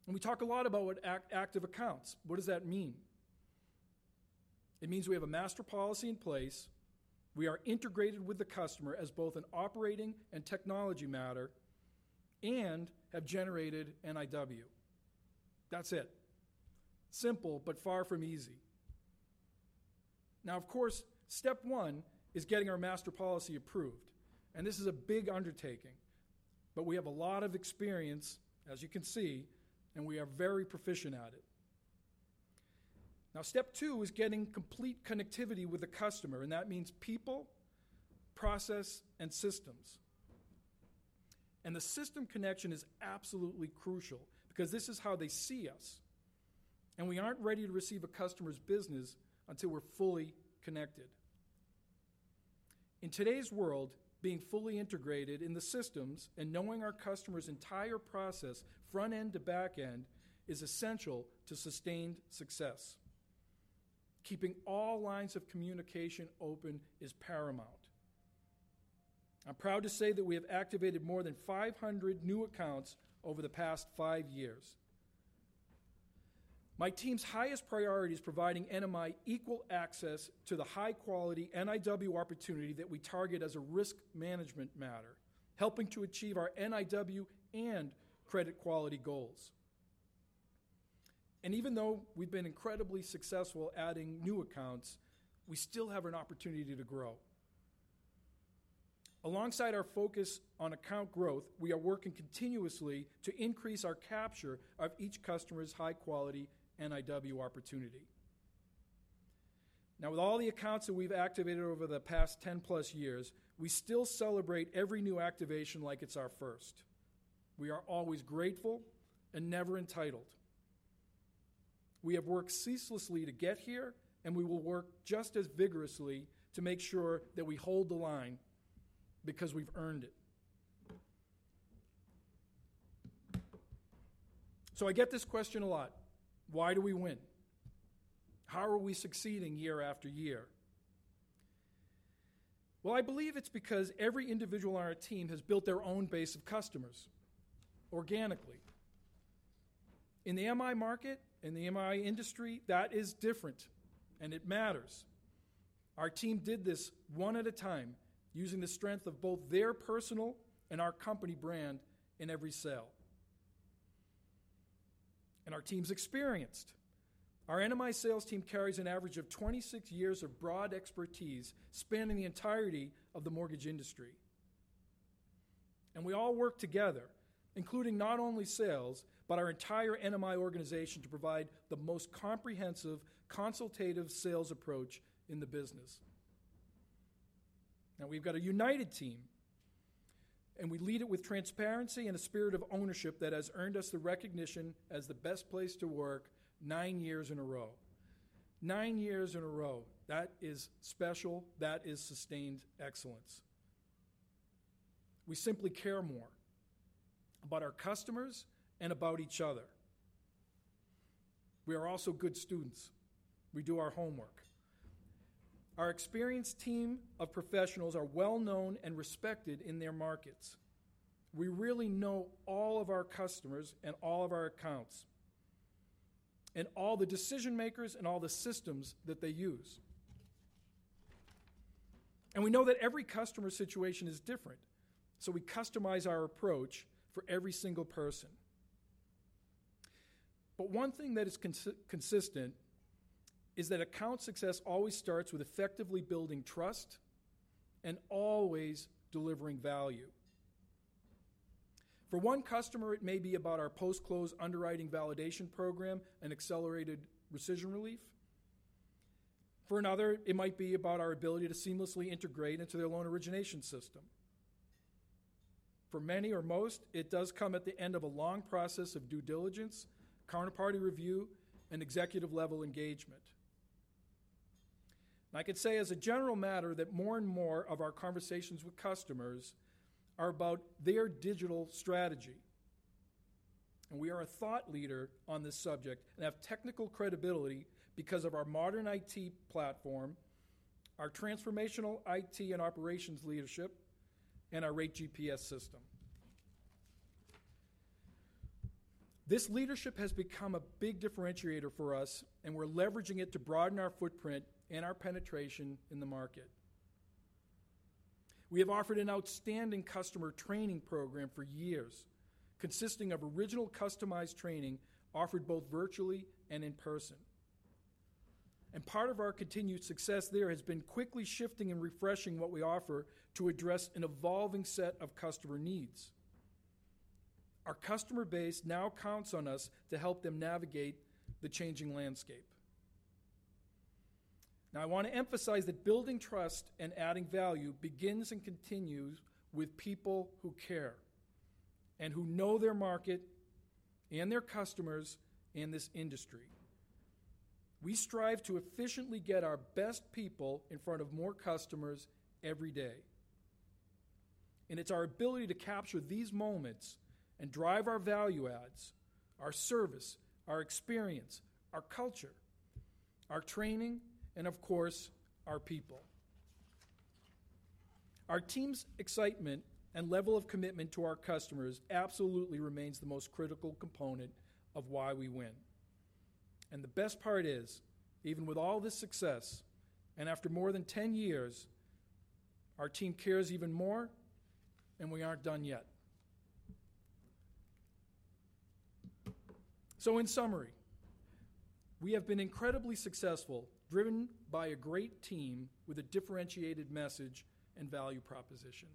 We talk a lot about what active accounts. What does that mean? It means we have a master policy in place. We are integrated with the customer as both an operating and technology matter and have generated NIW. That's it. Simple, but far from easy. Now, of course, step one is getting our master policy approved, and this is a big undertaking, but we have a lot of experience, as you can see, and we are very proficient at it. Now, step two is getting complete connectivity with the customer, and that means people, process, and systems. And the system connection is absolutely crucial because this is how they see us, and we aren't ready to receive a customer's business until we're fully connected. In today's world, being fully integrated in the systems and knowing our customer's entire process, front end to back end, is essential to sustained success. Keeping all lines of communication open is paramount. I'm proud to say that we have activated more than 500 new accounts over the past five years. My team's highest priority is providing NMI equal access to the high-quality NIW opportunity that we target as a risk management matter, helping to achieve our NIW and credit quality goals. And even though we've been incredibly successful adding new accounts, we still have an opportunity to grow. Alongside our focus on account growth, we are working continuously to increase our capture of each customer's high-quality NIW opportunity. Now, with all the accounts that we've activated over the past 10 plus years, we still celebrate every new activation like it's our first. We are always grateful and never entitled. We have worked ceaselessly to get here, and we will work just as vigorously to make sure that we hold the line because we've earned it. So I get this question a lot. Why do we win? How are we succeeding year after year? I believe it's because every individual on our team has built their own base of customers organically. In the NMI market, in the NMI industry, that is different, and it matters. Our team did this one at a time using the strength of both their personal and our company brand in every sale. Our team's experienced. Our NMI sales team carries an average of 26 years of broad expertise spanning the entirety of the mortgage industry. We all work together, including not only sales, but our entire NMI organization to provide the most comprehensive consultative sales approach in the business. Now, we've got a united team, and we lead it with transparency and a spirit of ownership that has earned us the recognition as the best place to work nine years in a row. Nine years in a row. That is special. That is sustained excellence. We simply care more about our customers and about each other. We are also good students. We do our homework. Our experienced team of professionals are well-known and respected in their markets. We really know all of our customers and all of our accounts and all the decision-makers and all the systems that they use. And we know that every customer situation is different, so we customize our approach for every single person. But one thing that is consistent is that account success always starts with effectively building trust and always delivering value. For one customer, it may be about our post-close underwriting validation program and accelerated rescission relief. For another, it might be about our ability to seamlessly integrate into their loan origination system. For many or most, it does come at the end of a long process of due diligence, counterparty review, and executive-level engagement. I can say as a general matter that more and more of our conversations with customers are about their digital strategy, and we are a thought leader on this subject and have technical credibility because of our modern IT platform, our transformational IT and operations leadership, and our Rate GPS system. This leadership has become a big differentiator for us, and we're leveraging it to broaden our footprint and our penetration in the market. We have offered an outstanding customer training program for years, consisting of original customized training offered both virtually and in person, and part of our continued success there has been quickly shifting and refreshing what we offer to address an evolving set of customer needs. Our customer base now counts on us to help them navigate the changing landscape. Now, I want to emphasize that building trust and adding value begins and continues with people who care and who know their market and their customers in this industry. We strive to efficiently get our best people in front of more customers every day. And it's our ability to capture these moments and drive our value adds, our service, our experience, our culture, our training, and of course, our people. Our team's excitement and level of commitment to our customers absolutely remains the most critical component of why we win. And the best part is, even with all this success and after more than 10 years, our team cares even more, and we aren't done yet. So in summary, we have been incredibly successful, driven by a great team with a differentiated message and value proposition.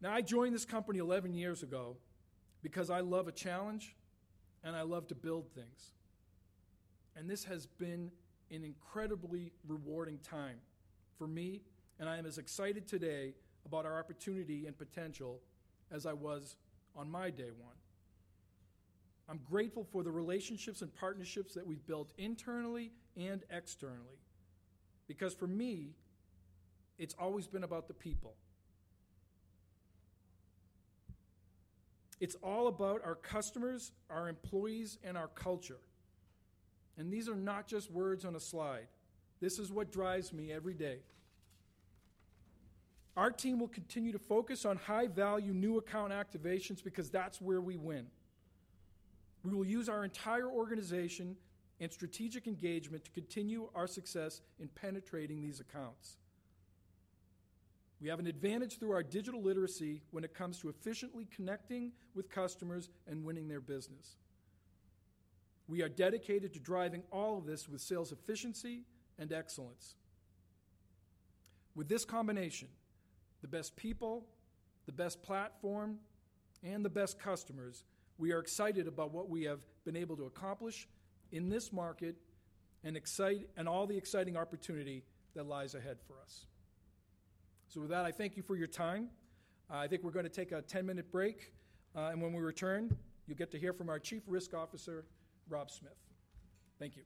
Now, I joined this company 11 years ago because I love a challenge, and I love to build things. And this has been an incredibly rewarding time for me, and I am as excited today about our opportunity and potential as I was on my day one. I'm grateful for the relationships and partnerships that we've built internally and externally because for me, it's always been about the people. It's all about our customers, our employees, and our culture. And these are not just words on a slide. This is what drives me every day. Our team will continue to focus on high-value new account activations because that's where we win. We will use our entire organization and strategic engagement to continue our success in penetrating these accounts. We have an advantage through our digital literacy when it comes to efficiently connecting with customers and winning their business. We are dedicated to driving all of this with sales efficiency and excellence. With this combination, the best people, the best platform, and the best customers, we are excited about what we have been able to accomplish in this market and all the exciting opportunity that lies ahead for us. So with that, I thank you for your time. I think we're going to take a 10-minute break, and when we return, you'll get to hear from our Chief Risk Officer, Rob Smith. Thank you.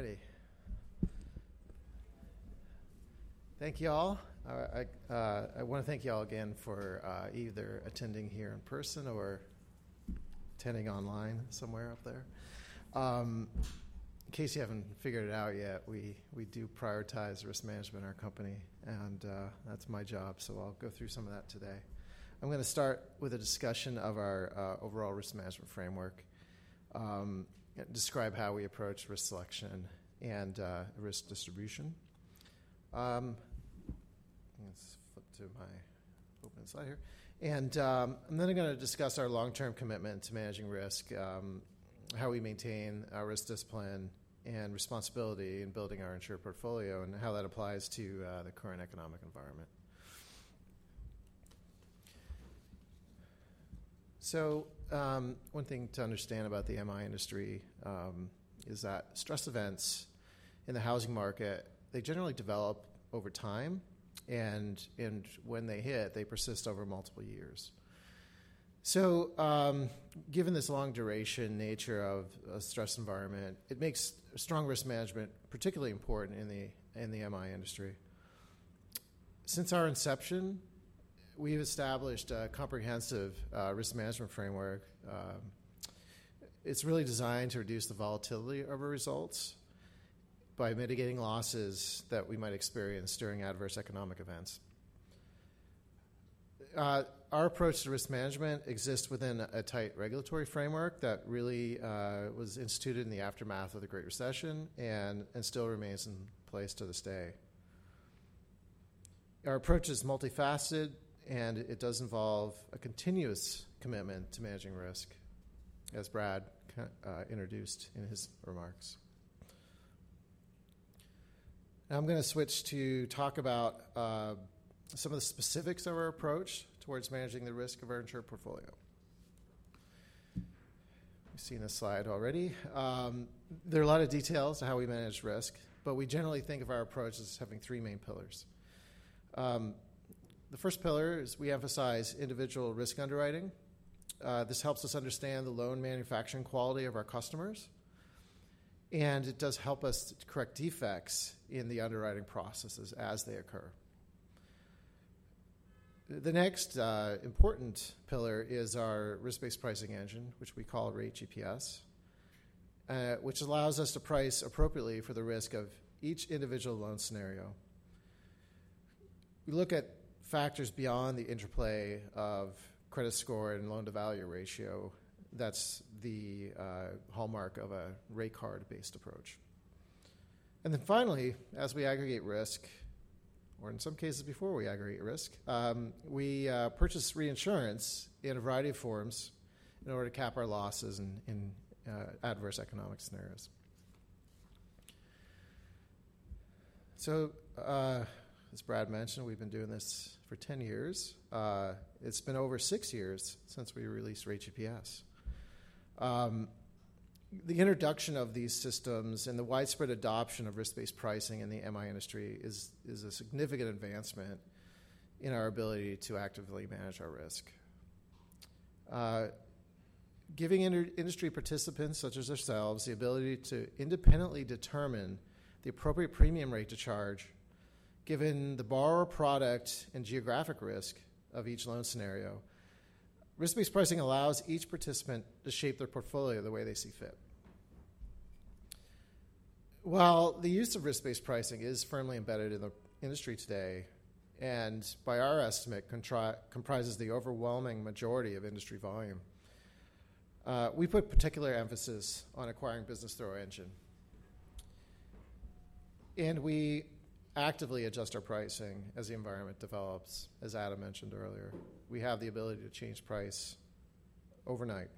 Governor Mayor Sharon, in white? Rob? All right. All righty. Thank you all. I want to thank you all again for either attending here in person or attending online somewhere up there. In case you haven't figured it out yet, we do prioritize risk management in our company, and that's my job. So I'll go through some of that today. I'm going to start with a discussion of our overall risk management framework, describe how we approach risk selection and risk distribution. I'm going to flip to my open slide here, and I'm then going to discuss our long-term commitment to managing risk, how we maintain our risk discipline and responsibility in building our insured portfolio, and how that applies to the current economic environment. One thing to understand about the MI industry is that stress events in the housing market, they generally develop over time, and when they hit, they persist over multiple years. Given this long-duration nature of a stress environment, it makes strong risk management particularly important in the MI industry. Since our inception, we've established a comprehensive risk management framework. It's really designed to reduce the volatility of our results by mitigating losses that we might experience during adverse economic events. Our approach to risk management exists within a tight regulatory framework that really was instituted in the aftermath of the Great Recession and still remains in place to this day. Our approach is multifaceted, and it does involve a continuous commitment to managing risk, as Brad introduced in his remarks. I'm going to switch to talk about some of the specifics of our approach towards managing the risk of our insured portfolio. You've seen this slide already. There are a lot of details to how we manage risk. But we generally think of our approach as having three main pillars. The first pillar is we emphasize individual risk underwriting. This helps us understand the loan manufacturing quality of our customers. And it does help us to correct defects in the underwriting processes as they occur. The next important pillar is our risk-based pricing engine, which we call Rate GPS, which allows us to price appropriately for the risk of each individual loan scenario. We look at factors beyond the interplay of credit score and loan-to-value ratio. That's the hallmark of a rate card-based approach, and then finally, as we aggregate risk, or in some cases before we aggregate risk, we purchase reinsurance in a variety of forms in order to cap our losses in adverse economic scenarios, so as Brad mentioned, we've been doing this for 10 years. It's been over six years since we released Rate GPS. The introduction of these systems and the widespread adoption of risk-based pricing in the MI industry is a significant advancement in our ability to actively manage our risk. Giving industry participants, such as ourselves, the ability to independently determine the appropriate premium rate to charge given the borrower product and geographic risk of each loan scenario, risk-based pricing allows each participant to shape their portfolio the way they see fit. While the use of risk-based pricing is firmly embedded in the industry today and by our estimate comprises the overwhelming majority of industry volume, we put particular emphasis on acquiring business through our engine. And we actively adjust our pricing as the environment develops. As Adam mentioned earlier, we have the ability to change price overnight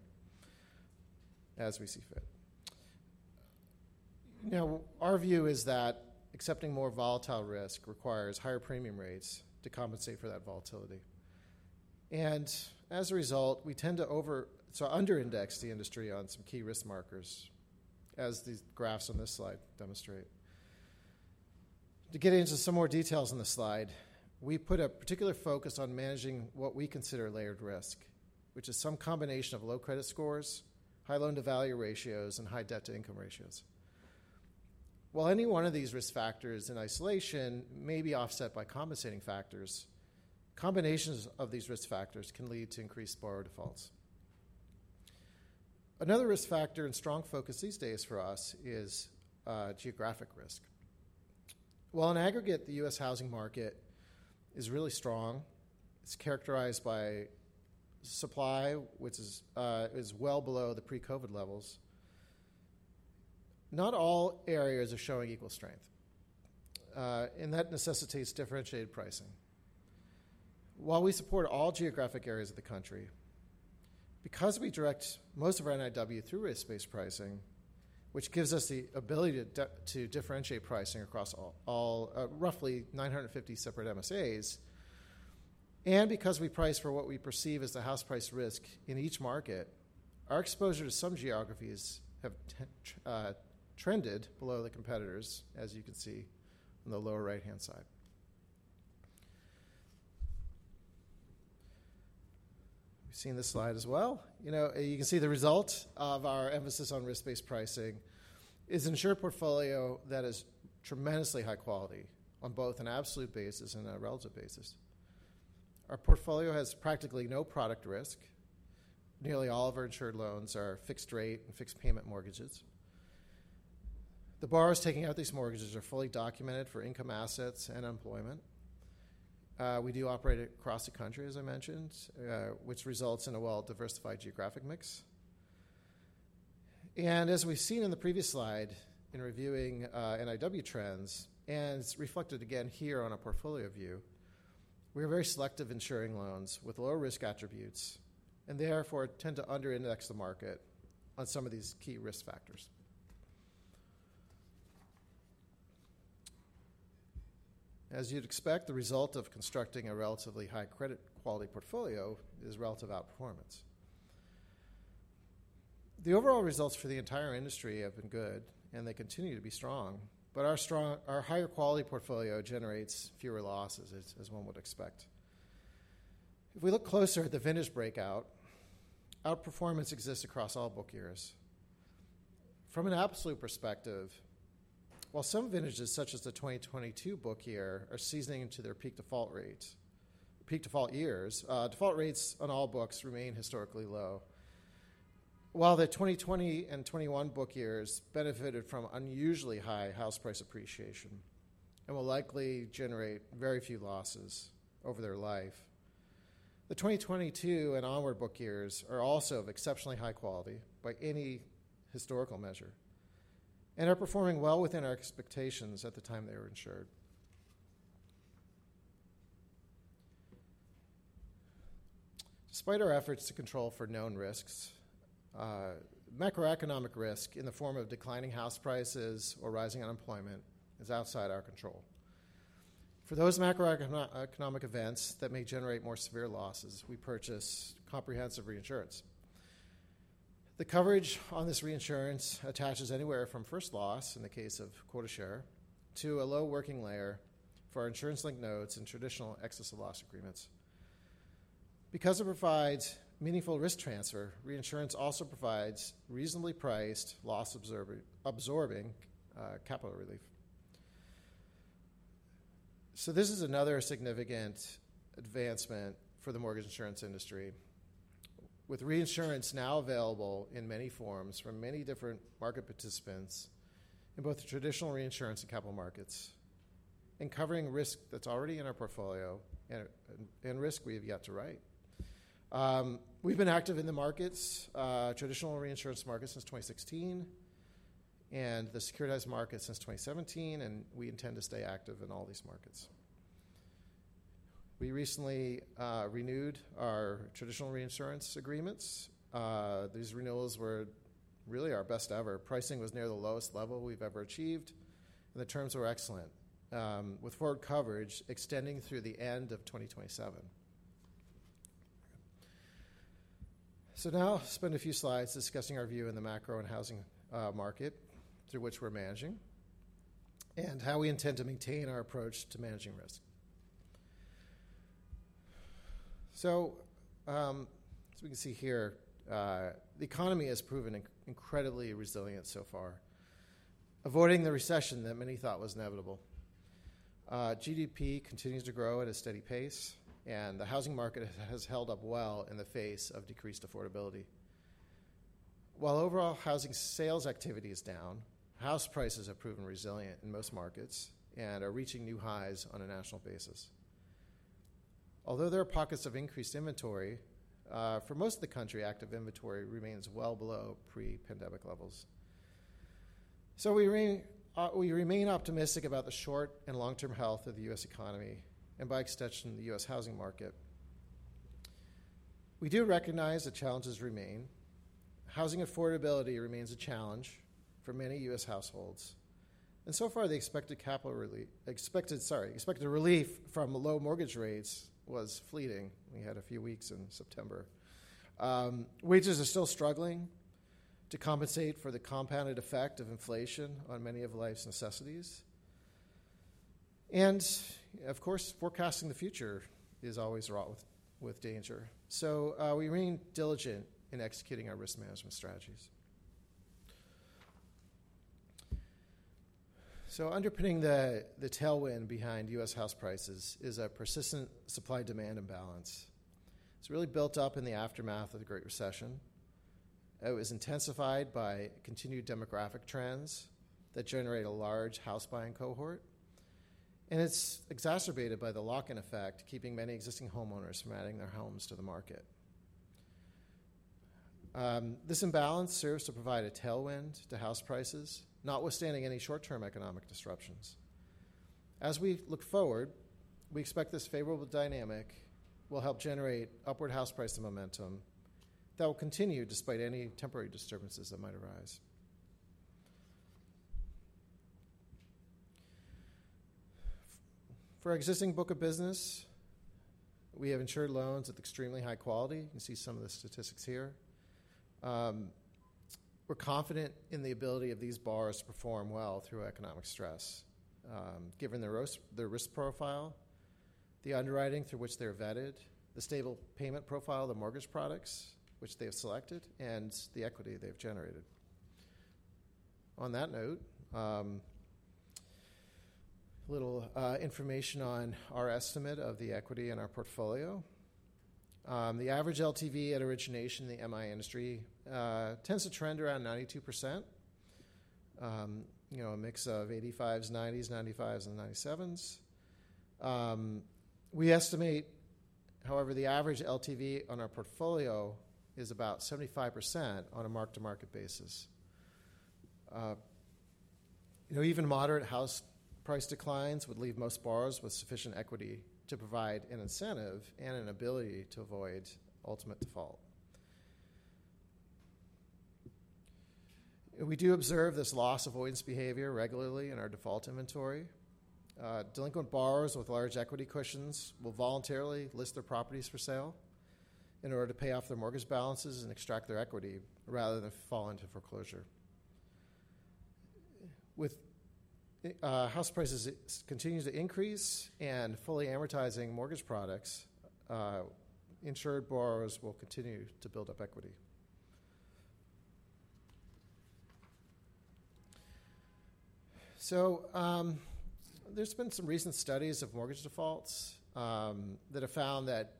as we see fit. Now, our view is that accepting more volatile risk requires higher premium rates to compensate for that volatility. And as a result, we tend to over- or under-index the industry on some key risk markers, as these graphs on this slide demonstrate. To get into some more details on this slide, we put a particular focus on managing what we consider layered risk, which is some combination of low credit scores, high loan-to-value ratios, and high debt-to-income ratios. While any one of these risk factors in isolation may be offset by compensating factors, combinations of these risk factors can lead to increased borrower defaults. Another risk factor in strong focus these days for us is geographic risk. While in aggregate, the U.S. housing market is really strong, it's characterized by supply, which is well below the pre-COVID levels, not all areas are showing equal strength, and that necessitates differentiated pricing. While we support all geographic areas of the country, because we direct most of our NIW through risk-based pricing, which gives us the ability to differentiate pricing across all roughly 950 separate MSAs, and because we price for what we perceive as the house price risk in each market, our exposure to some geographies have trended below the competitors, as you can see on the lower right-hand side. You've seen this slide as well. You can see the result of our emphasis on risk-based pricing is an insured portfolio that is tremendously high quality on both an absolute basis and a relative basis. Our portfolio has practically no product risk. Nearly all of our insured loans are fixed-rate and fixed-payment mortgages. The borrowers taking out these mortgages are fully documented for income assets and employment. We do operate across the country, as I mentioned, which results in a well-diversified geographic mix, and as we've seen in the previous slide in reviewing NIW trends, and it's reflected again here on our portfolio view, we are very selective insuring loans with low-risk attributes, and therefore, tend to under-index the market on some of these key risk factors. As you'd expect, the result of constructing a relatively high credit quality portfolio is relative outperformance. The overall results for the entire industry have been good, and they continue to be strong, but our higher quality portfolio generates fewer losses, as one would expect. If we look closer at the vintage breakout, outperformance exists across all book years. From an absolute perspective, while some vintages, such as the 2022 book year, are seasoning into their peak default years, default rates on all books remain historically low, while the 2020 and 2021 book years benefited from unusually high house price appreciation and will likely generate very few losses over their life. The 2022 and onward book years are also of exceptionally high quality by any historical measure and are performing well within our expectations at the time they were insured. Despite our efforts to control for known risks, macroeconomic risk in the form of declining house prices or rising unemployment is outside our control. For those macroeconomic events that may generate more severe losses, we purchase comprehensive reinsurance. The coverage on this reinsurance attaches anywhere from first loss in the case of quota share to a low working layer for our insurance-linked notes and traditional excess of loss agreements. Because it provides meaningful risk transfer, reinsurance also provides reasonably priced loss-absorbing capital relief. So this is another significant advancement for the mortgage insurance industry, with reinsurance now available in many forms from many different market participants in both the traditional reinsurance and capital markets, and covering risk that's already in our portfolio and risk we have yet to write. We've been active in the markets, traditional reinsurance markets since 2016, and the securitized markets since 2017. And we intend to stay active in all these markets. We recently renewed our traditional reinsurance agreements. These renewals were really our best ever. Pricing was near the lowest level we've ever achieved. And the terms were excellent, with forward coverage extending through the end of 2027. So now, I'll spend a few slides discussing our view in the macro and housing market through which we're managing and how we intend to maintain our approach to managing risk. So as we can see here, the economy has proven incredibly resilient so far, avoiding the recession that many thought was inevitable. GDP continues to grow at a steady pace. And the housing market has held up well in the face of decreased affordability. While overall housing sales activity is down, house prices have proven resilient in most markets and are reaching new highs on a national basis. Although there are pockets of increased inventory, for most of the country, active inventory remains well below pre-pandemic levels. So we remain optimistic about the short and long-term health of the U.S. economy and by extension, the U.S. housing market. We do recognize that challenges remain. Housing affordability remains a challenge for many U.S. households, and so far, the expected relief from low mortgage rates was fleeting. We had a few weeks in September. Wages are still struggling to compensate for the compounded effect of inflation on many of life's necessities, and of course, forecasting the future is always fraught with danger, so we remain diligent in executing our risk management strategies, so underpinning the tailwind behind U.S. house prices is a persistent supply-demand imbalance. It's really built up in the aftermath of the Great Recession. It was intensified by continued demographic trends that generate a large house-buying cohort, and it's exacerbated by the lock-in effect, keeping many existing homeowners from adding their homes to the market. This imbalance serves to provide a tailwind to house prices, notwithstanding any short-term economic disruptions. As we look forward, we expect this favorable dynamic will help generate upward house price momentum that will continue despite any temporary disturbances that might arise. For our existing book of business, we have insured loans of extremely high quality. You can see some of the statistics here. We're confident in the ability of these borrowers to perform well through economic stress, given their risk profile, the underwriting through which they're vetted, the stable payment profile of the mortgage products which they have selected, and the equity they've generated. On that note, a little information on our estimate of the equity in our portfolio. The average LTV at origination in the MI industry tends to trend around 92%, a mix of 85s, 90s, 95s, and 97s. We estimate, however, the average LTV on our portfolio is about 75% on a mark-to-market basis. Even moderate house price declines would leave most borrowers with sufficient equity to provide an incentive and an ability to avoid ultimate default. We do observe this loss avoidance behavior regularly in our default inventory. Delinquent borrowers with large equity cushions will voluntarily list their properties for sale in order to pay off their mortgage balances and extract their equity rather than fall into foreclosure. With house prices continuing to increase and fully amortizing mortgage products, insured borrowers will continue to build up equity. So there's been some recent studies of mortgage defaults that have found that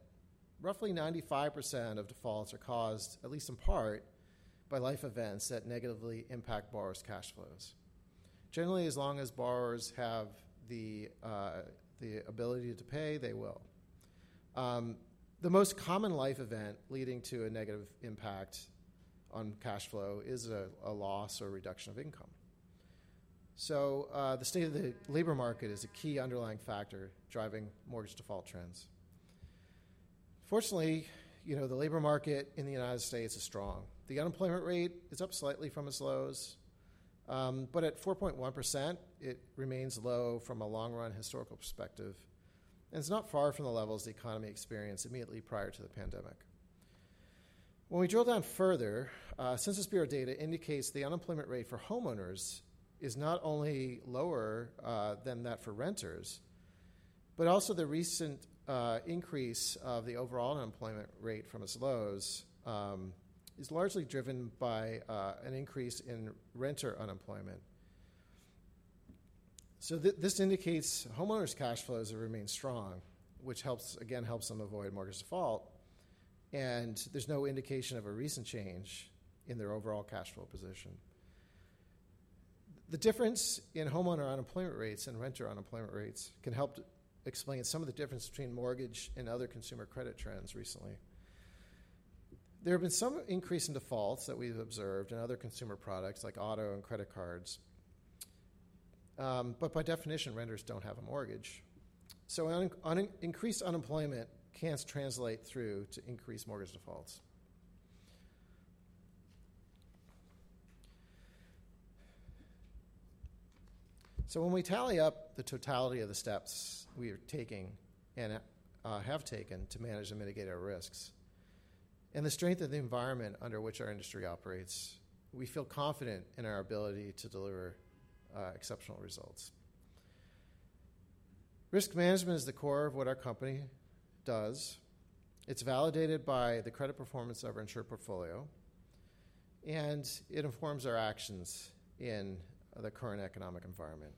roughly 95% of defaults are caused, at least in part, by life events that negatively impact borrowers' cash flows. Generally, as long as borrowers have the ability to pay, they will. The most common life event leading to a negative impact on cash flow is a loss or reduction of income. The state of the labor market is a key underlying factor driving mortgage default trends. Fortunately, the labor market in the United States is strong. The unemployment rate is up slightly from its lows, but at 4.1%, it remains low from a long-run historical perspective, and it's not far from the levels the economy experienced immediately prior to the pandemic. When we drill down further, U.S. Census Bureau data indicates the unemployment rate for homeowners is not only lower than that for renters, but also the recent increase of the overall unemployment rate from its lows is largely driven by an increase in renter unemployment, so this indicates homeowners' cash flows have remained strong, which again helps them avoid mortgage default, and there's no indication of a recent change in their overall cash flow position. The difference in homeowner unemployment rates and renter unemployment rates can help explain some of the difference between mortgage and other consumer credit trends recently. There have been some increase in defaults that we've observed in other consumer products like auto and credit cards. But by definition, renters don't have a mortgage, so increased unemployment can't translate through to increased mortgage defaults, so when we tally up the totality of the steps we are taking and have taken to manage and mitigate our risks and the strength of the environment under which our industry operates, we feel confident in our ability to deliver exceptional results. Risk management is the core of what our company does. It's validated by the credit performance of our insured portfolio, and it informs our actions in the current economic environment.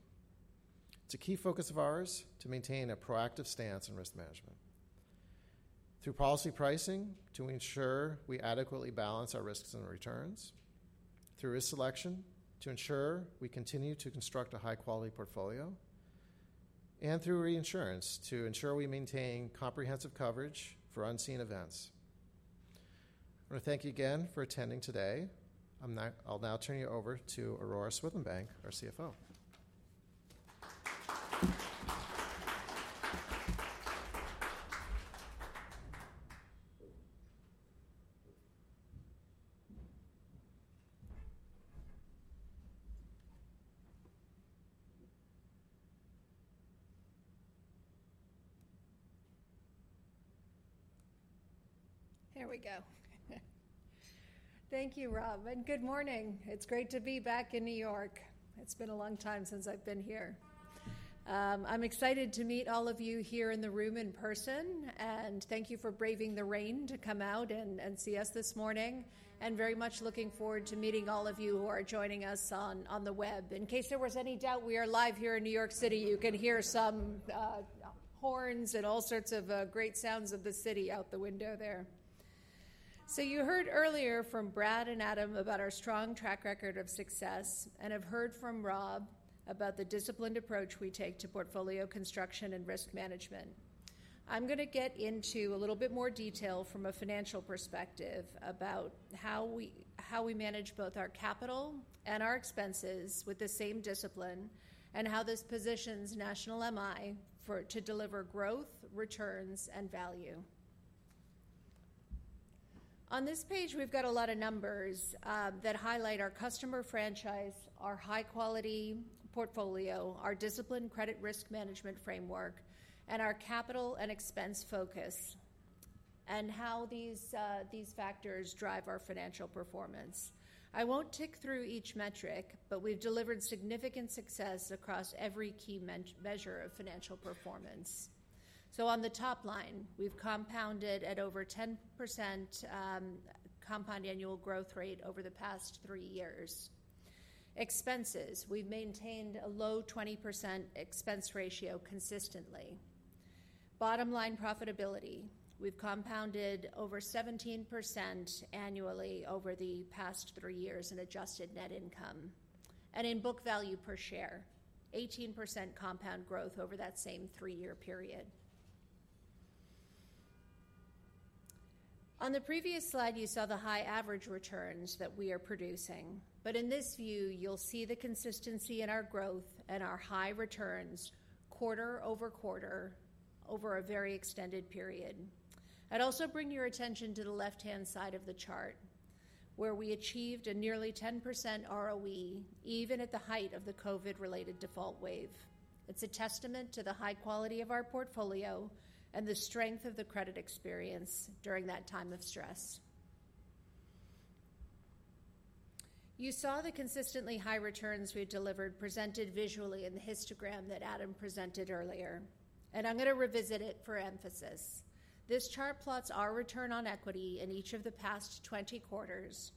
It's a key focus of ours to maintain a proactive stance in risk management through policy pricing to ensure we adequately balance our risks and returns, through risk selection to ensure we continue to construct a high-quality portfolio, and through reinsurance to ensure we maintain comprehensive coverage for unseen events. I want to thank you again for attending today. I'll now turn you over to Aurora Swithenbank, our CFO. There we go. Thank you, Rob, and good morning. It's great to be back in New York. It's been a long time since I've been here. I'm excited to meet all of you here in the room in person, and thank you for braving the rain to come out and see us this morning, and very much looking forward to meeting all of you who are joining us on the web. In case there was any doubt, we are live here in New York City. You can hear some horns and all sorts of great sounds of the city out the window there. So you heard earlier from Brad and Adam about our strong track record of success. And I've heard from Rob about the disciplined approach we take to portfolio construction and risk management. I'm going to get into a little bit more detail from a financial perspective about how we manage both our capital and our expenses with the same discipline and how this positions National MI to deliver growth, returns, and value. On this page, we've got a lot of numbers that highlight our customer franchise, our high-quality portfolio, our disciplined credit risk management framework, and our capital and expense focus, and how these factors drive our financial performance. I won't tick through each metric, but we've delivered significant success across every key measure of financial performance, so on the top line, we've compounded at over 10% compound annual growth rate over the past three years. Expenses, we've maintained a low 20% expense ratio consistently. Bottom line profitability, we've compounded over 17% annually over the past three years in adjusted net income, and in book value per share, 18% compound growth over that same three-year period. On the previous slide, you saw the high average returns that we are producing, but in this view, you'll see the consistency in our growth and our high returns quarter over quarter over a very extended period. I'd also bring your attention to the left-hand side of the chart, where we achieved a nearly 10% ROE even at the height of the COVID-related default wave. It's a testament to the high quality of our portfolio and the strength of the credit experience during that time of stress. You saw the consistently high returns we had delivered presented visually in the histogram that Adam presented earlier. I'm going to revisit it for emphasis. This chart plots our return on equity in each of the past 20 quarters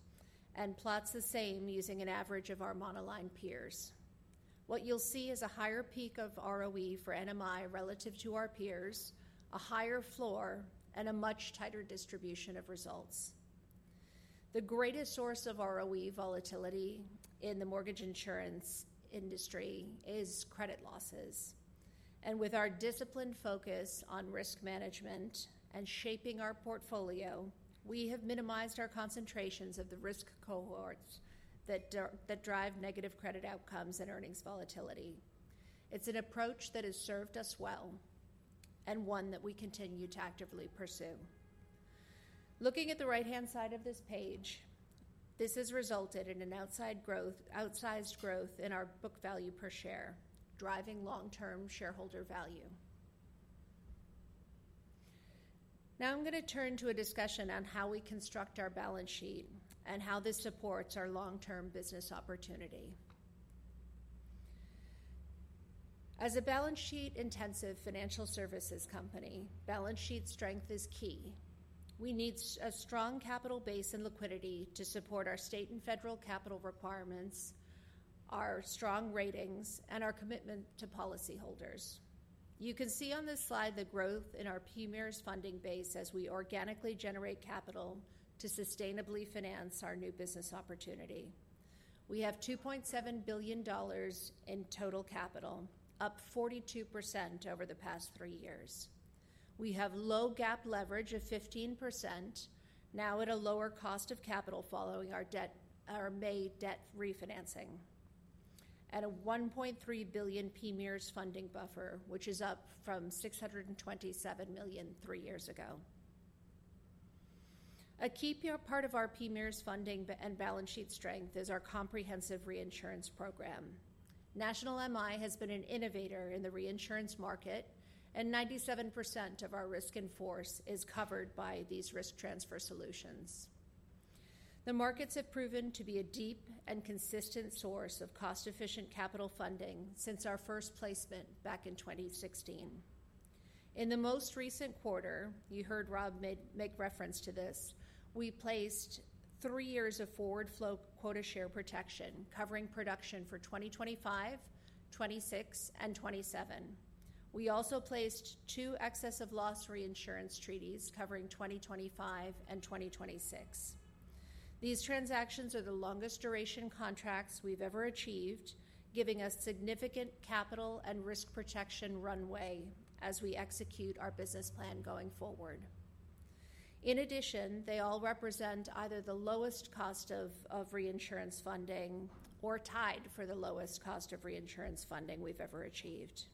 and plots the same using an average of our monoline peers. What you'll see is a higher peak of ROE for NMI relative to our peers, a higher floor, and a much tighter distribution of results. The greatest source of ROE volatility in the mortgage insurance industry is credit losses. With our disciplined focus on risk management and shaping our portfolio, we have minimized our concentrations of the risk cohorts that drive negative credit outcomes and earnings volatility. It's an approach that has served us well and one that we continue to actively pursue. Looking at the right-hand side of this page, this has resulted in an outsized growth in our book value per share, driving long-term shareholder value. Now I'm going to turn to a discussion on how we construct our balance sheet and how this supports our long-term business opportunity. As a balance sheet-intensive financial services company, balance sheet strength is key. We need a strong capital base and liquidity to support our state and federal capital requirements, our strong ratings, and our commitment to policyholders. You can see on this slide the growth in our PMIERs funding base as we organically generate capital to sustainably finance our new business opportunity. We have $2.7 billion in total capital, up 42% over the past three years. We have low-GAAP leverage of 15%, now at a lower cost of capital following our May debt refinancing, and a $1.3 billion PMIERs funding buffer, which is up from $627 million three years ago. A key part of our PMIERs funding and balance sheet strength is our comprehensive reinsurance program. National MI has been an innovator in the reinsurance market, and 97% of our risk in force is covered by these risk transfer solutions. The markets have proven to be a deep and consistent source of cost-efficient capital funding since our first placement back in 2016. In the most recent quarter, you heard Rob make reference to this, we placed three years of forward flow quota share protection covering production for 2025, 2026, and 2027. We also placed two excess of loss reinsurance treaties covering 2025 and 2026. These transactions are the longest-duration contracts we've ever achieved, giving us significant capital and risk protection runway as we execute our business plan going forward. In addition, they all represent either the lowest cost of reinsurance funding or tied for the lowest cost of reinsurance funding we've ever achieved.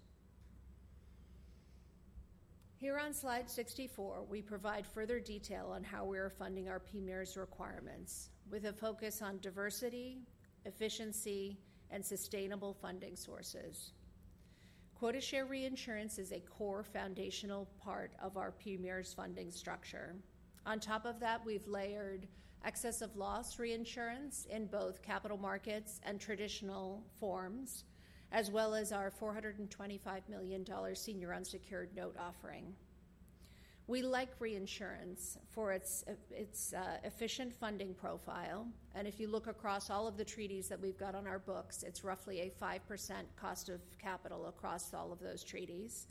Here on slide 64, we provide further detail on how we are funding our PMIERs requirements with a focus on diversity, efficiency, and sustainable funding sources. Quota share reinsurance is a core foundational part of our PMIERs funding structure. On top of that, we've layered excess of loss reinsurance in both capital markets and traditional forms, as well as our $425 million senior unsecured note offering. We like reinsurance for its efficient funding profile. If you look across all of the treaties that we've got on our books, it's roughly a 5% cost of capital across all of those treaties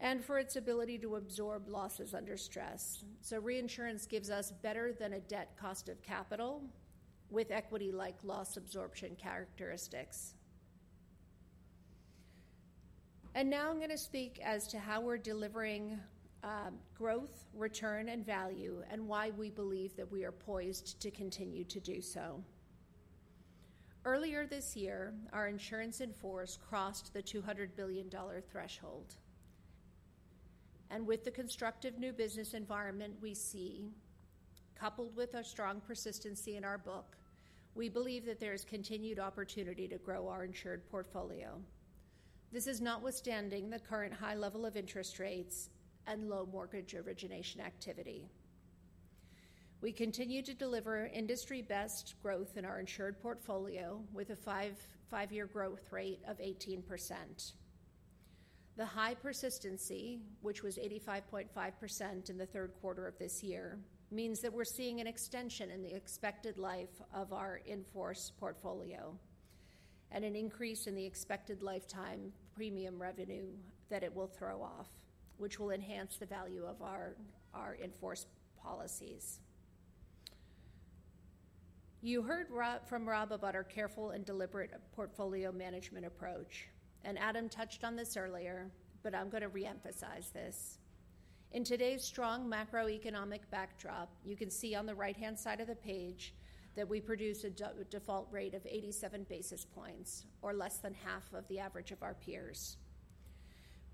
and for its ability to absorb losses under stress. Reinsurance gives us better than a debt cost of capital with equity-like loss absorption characteristics. Now I'm going to speak as to how we're delivering growth, return, and value, and why we believe that we are poised to continue to do so. Earlier this year, our insurance in force crossed the $200 billion threshold. With the constructive new business environment we see, coupled with our strong persistency in our book, we believe that there is continued opportunity to grow our insured portfolio. This is notwithstanding the current high level of interest rates and low mortgage origination activity. We continue to deliver industry-best growth in our insured portfolio with a five-year growth rate of 18%. The high persistency, which was 85.5% in the third quarter of this year, means that we're seeing an extension in the expected life of our in force portfolio and an increase in the expected lifetime premium revenue that it will throw off, which will enhance the value of our in force policies. You heard from Rob about our careful and deliberate portfolio management approach, and Adam touched on this earlier, but I'm going to reemphasize this. In today's strong macroeconomic backdrop, you can see on the right-hand side of the page that we produce a default rate of 87 basis points, or less than half of the average of our peers,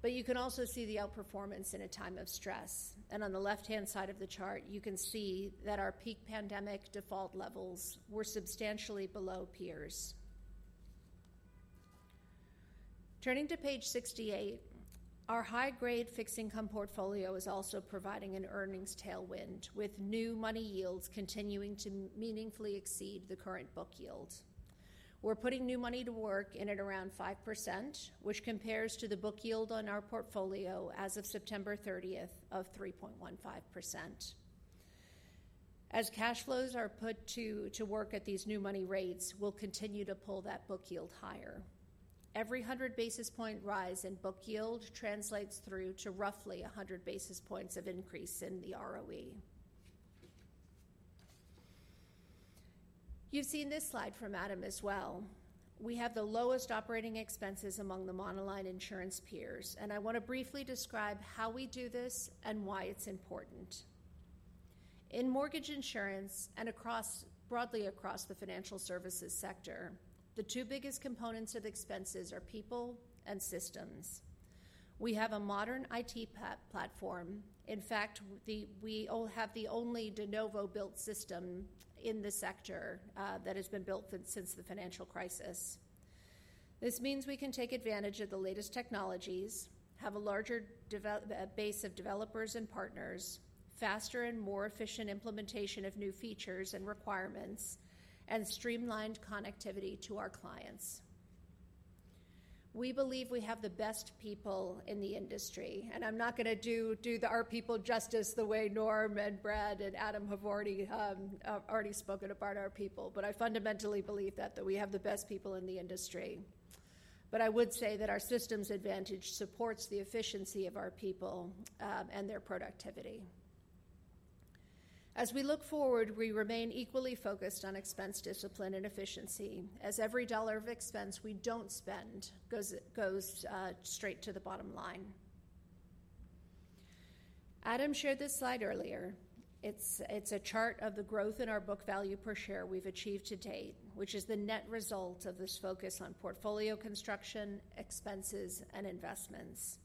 but you can also see the outperformance in a time of stress. And on the left-hand side of the chart, you can see that our peak pandemic default levels were substantially below peers. Turning to page 68, our high-grade fixed income portfolio is also providing an earnings tailwind, with new money yields continuing to meaningfully exceed the current book yield. We're putting new money to work in at around 5%, which compares to the book yield on our portfolio as of September 30th of 3.15%. As cash flows are put to work at these new money rates, we'll continue to pull that book yield higher. Every 100 basis point rise in book yield translates through to roughly 100 basis points of increase in the ROE. You've seen this slide from Adam as well. We have the lowest operating expenses among the monoline insurance peers. And I want to briefly describe how we do this and why it's important. In mortgage insurance and broadly across the financial services sector, the two biggest components of expenses are people and systems. We have a modern IT platform. In fact, we have the only de novo built system in the sector that has been built since the financial crisis. This means we can take advantage of the latest technologies, have a larger base of developers and partners, faster and more efficient implementation of new features and requirements, and streamlined connectivity to our clients. We believe we have the best people in the industry, and I'm not going to do our people justice the way Norm and Brad and Adam have already spoken about our people, but I fundamentally believe that we have the best people in the industry, but I would say that our systems advantage supports the efficiency of our people and their productivity. As we look forward, we remain equally focused on expense discipline and efficiency. As every dollar of expense we don't spend goes straight to the bottom line. Adam shared this slide earlier. It's a chart of the growth in our book value per share we've achieved to date, which is the net result of this focus on portfolio construction, expenses, and investments.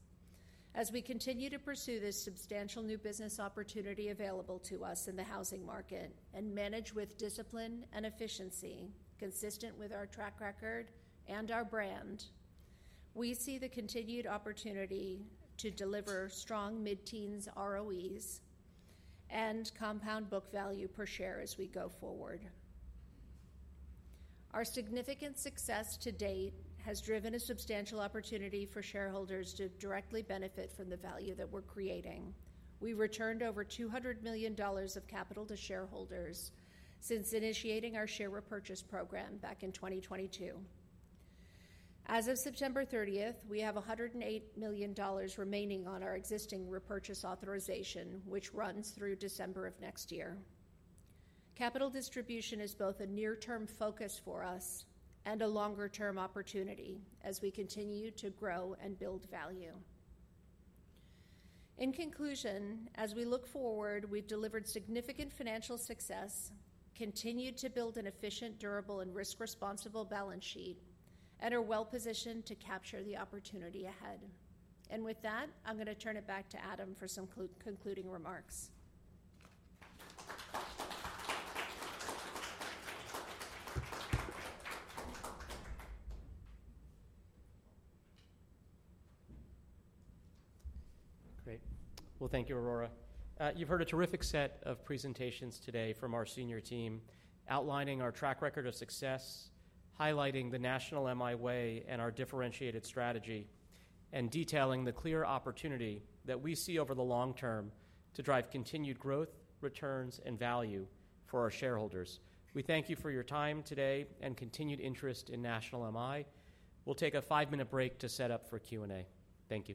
As we continue to pursue this substantial new business opportunity available to us in the housing market and manage with discipline and efficiency consistent with our track record and our brand, we see the continued opportunity to deliver strong mid-teens ROEs and compound book value per share as we go forward. Our significant success to date has driven a substantial opportunity for shareholders to directly benefit from the value that we're creating. We returned over $200 million of capital to shareholders since initiating our share repurchase program back in 2022. As of September 30th, we have $108 million remaining on our existing repurchase authorization, which runs through December of next year. Capital distribution is both a near-term focus for us and a longer-term opportunity as we continue to grow and build value. In conclusion, as we look forward, we've delivered significant financial success, continued to build an efficient, durable, and risk-responsible balance sheet, and are well-positioned to capture the opportunity ahead, and with that, I'm going to turn it back to Adam for some concluding remarks. Great. Well, thank you, Aurora. You've heard a terrific set of presentations today from our senior team outlining our track record of success, highlighting the National MI way and our differentiated strategy, and detailing the clear opportunity that we see over the long term to drive continued growth, returns, and value for our shareholders. We thank you for your time today and continued interest in National MI. We'll take a five-minute break to set up for Q&A. Thank you.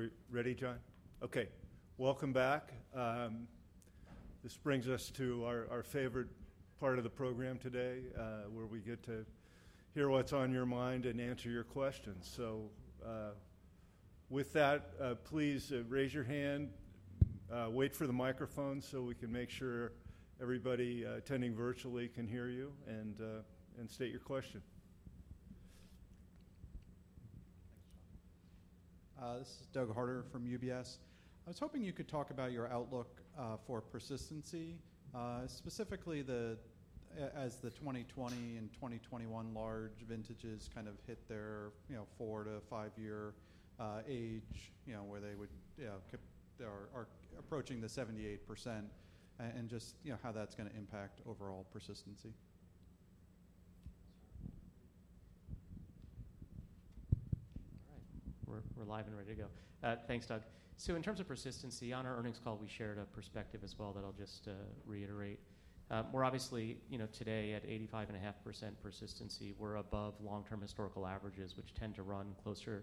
Are we ready, John? Okay. Welcome back. This brings us to our favorite part of the program today, where we get to hear what's on your mind and answer your questions. So with that, please raise your hand. Wait for the microphone so we can make sure everybody attending virtually can hear you and state your question. This is Doug Harter from UBS. I was hoping you could talk about your outlook for persistency, specifically as the 2020 and 2021 large vintages kind of hit their four-to-five-year age, where they are approaching the 78%, and just how that's going to impact overall persistency. All right. We're live and ready to go. Thanks, Doug. So in terms of persistency, on our earnings call, we shared a perspective as well that I'll just reiterate. We're obviously today at 85.5% persistency. We're above long-term historical averages, which tend to run closer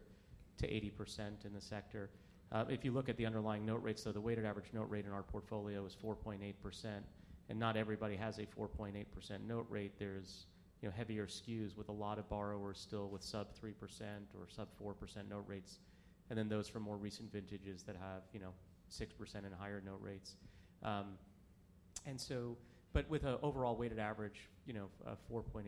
to 80% in the sector. If you look at the underlying note rates, so the weighted average note rate in our portfolio is 4.8%. And not everybody has a 4.8% note rate. There's heavier skew with a lot of borrowers still with sub 3% or sub 4% note rates. And then those from more recent vintages that have 6% and higher note rates. And so, but with an overall weighted average of 4.8%,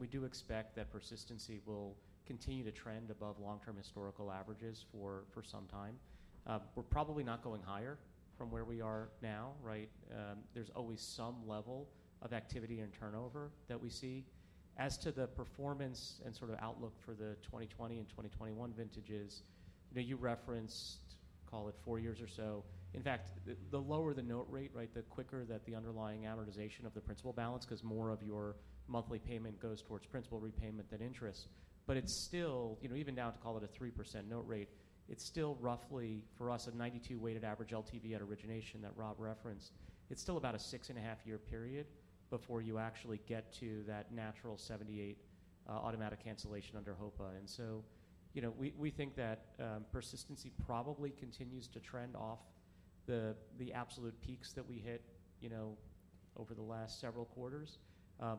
we do expect that persistency will continue to trend above long-term historical averages for some time. We're probably not going higher from where we are now, right? There's always some level of activity and turnover that we see. As to the performance and sort of outlook for the 2020 and 2021 vintages, you referenced, call it four years or so. In fact, the lower the note rate, right, the quicker that the underlying amortization of the principal balance, because more of your monthly payment goes towards principal repayment than interest. But it's still, even down to call it a 3% note rate, it's still roughly, for us, a 92 weighted average LTV at origination that Rob referenced. It's still about a six-and-a-half-year period before you actually get to that natural 78% automatic cancellation under HOPA, and so we think that persistency probably continues to trend off the absolute peaks that we hit over the last several quarters,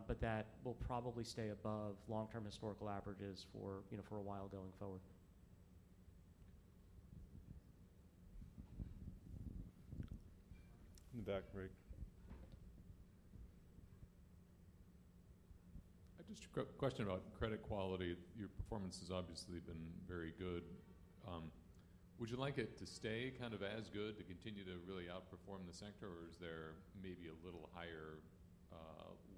but that will probably stay above long-term historical averages for a while going forward. In the back, Greg. Just a question about credit quality. Your performance has obviously been very good. Would you like it to stay kind of as good to continue to really outperform the sector, or is there maybe a little higher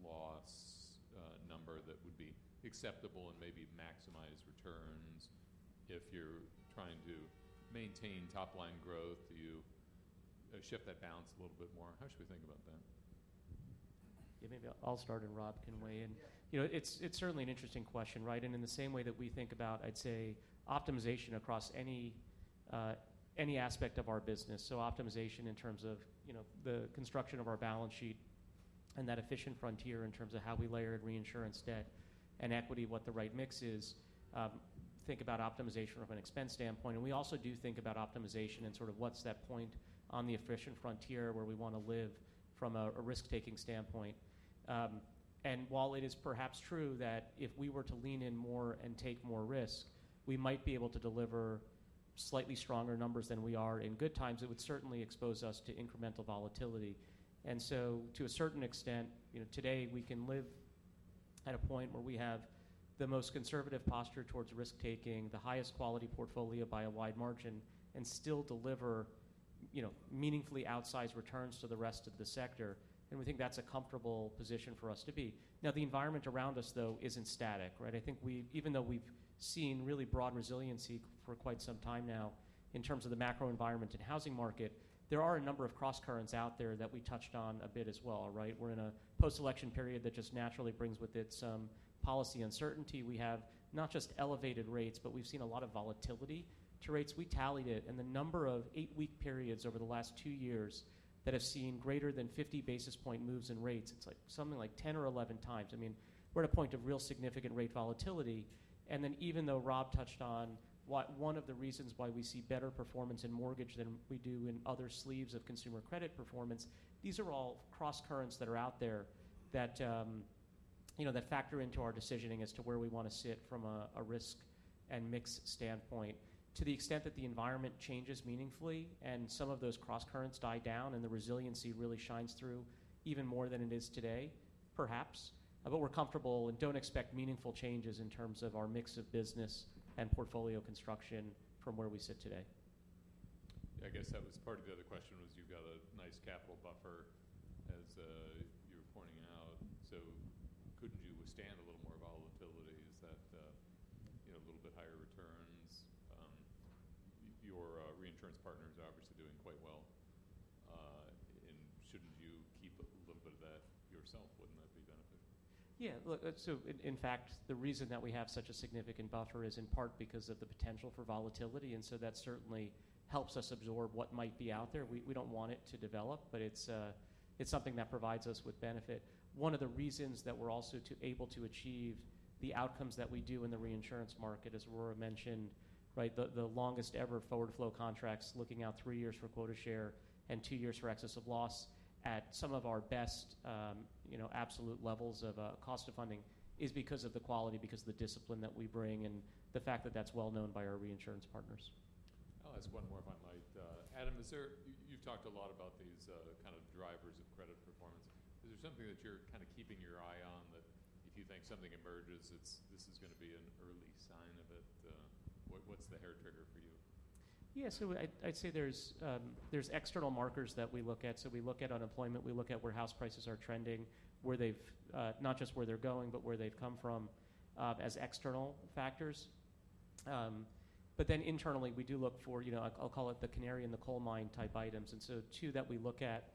loss number that would be acceptable and maybe maximize returns if you're trying to maintain top-line growth, you shift that balance a little bit more? How should we think about that? Yeah, maybe I'll start, and Rob can weigh in. It's certainly an interesting question, right? In the same way that we think about, I'd say, optimization across any aspect of our business. Optimization in terms of the construction of our balance sheet and that efficient frontier in terms of how we layer reinsurance debt and equity, what the right mix is. Think about optimization from an expense standpoint. We also do think about optimization and sort of what's that point on the efficient frontier where we want to live from a risk-taking standpoint. While it is perhaps true that if we were to lean in more and take more risk, we might be able to deliver slightly stronger numbers than we are in good times, it would certainly expose us to incremental volatility. And so to a certain extent, today we can live at a point where we have the most conservative posture towards risk-taking, the highest quality portfolio by a wide margin, and still deliver meaningfully outsized returns to the rest of the sector. And we think that's a comfortable position for us to be. Now, the environment around us, though, isn't static, right? I think even though we've seen really broad resiliency for quite some time now in terms of the macro environment and housing market, there are a number of cross currents out there that we touched on a bit as well, right? We're in a post-election period that just naturally brings with it some policy uncertainty. We have not just elevated rates, but we've seen a lot of volatility to rates. We tallied it, and the number of eight-week periods over the last two years that have seen greater than 50 basis point moves in rates. It's like something like 10 or 11 times. I mean, we're at a point of real significant rate volatility, and then even though Rob touched on one of the reasons why we see better performance in mortgage than we do in other sleeves of consumer credit performance. These are all cross currents that are out there that factor into our decisioning as to where we want to sit from a risk and mix standpoint. To the extent that the environment changes meaningfully and some of those cross currents die down and the resiliency really shines through even more than it is today, perhaps, but we're comfortable and don't expect meaningful changes in terms of our mix of business and portfolio construction from where we sit today. I guess that was part of the other question was you've got a nice capital buffer, as you were pointing out. So couldn't you withstand a little more volatility? Is that a little bit higher returns? Your reinsurance partners are obviously doing quite well. And shouldn't you keep a little bit of that yourself? Wouldn't that be beneficial? Yeah. Look, so in fact, the reason that we have such a significant buffer is in part because of the potential for volatility. And so that certainly helps us absorb what might be out there. We don't want it to develop, but it's something that provides us with benefit. One of the reasons that we're also able to achieve the outcomes that we do in the reinsurance market, as Aurora mentioned, right, the longest ever forward flow contracts looking out three years for quota share and two years for excess of loss at some of our best absolute levels of cost of funding is because of the quality, because of the discipline that we bring, and the fact that that's well known by our reinsurance partners. Oh, that's one more if I might. Adam, you've talked a lot about these kind of drivers of credit performance. Is there something that you're kind of keeping your eye on that if you think something emerges, this is going to be an early sign of it? What's the hair trigger for you? Yeah, so I'd say there's external markers that we look at. So we look at unemployment. We look at where house prices are trending, not just where they're going, but where they've come from as external factors. But then internally, we do look for, I'll call it the canary in the coal mine type items. And so two that we look at,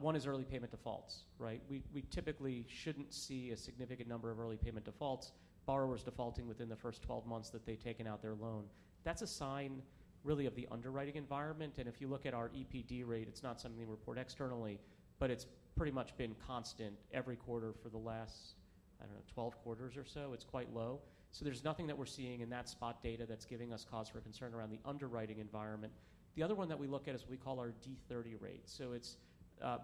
one is early payment defaults, right? We typically shouldn't see a significant number of early payment defaults, borrowers defaulting within the first 12 months that they've taken out their loan. That's a sign really of the underwriting environment. And if you look at our EPD rate, it's not something we report externally, but it's pretty much been constant every quarter for the last, I don't know, 12 quarters or so. It's quite low. There's nothing that we're seeing in that spot data that's giving us cause for concern around the underwriting environment. The other one that we look at is what we call our D30 rate. It's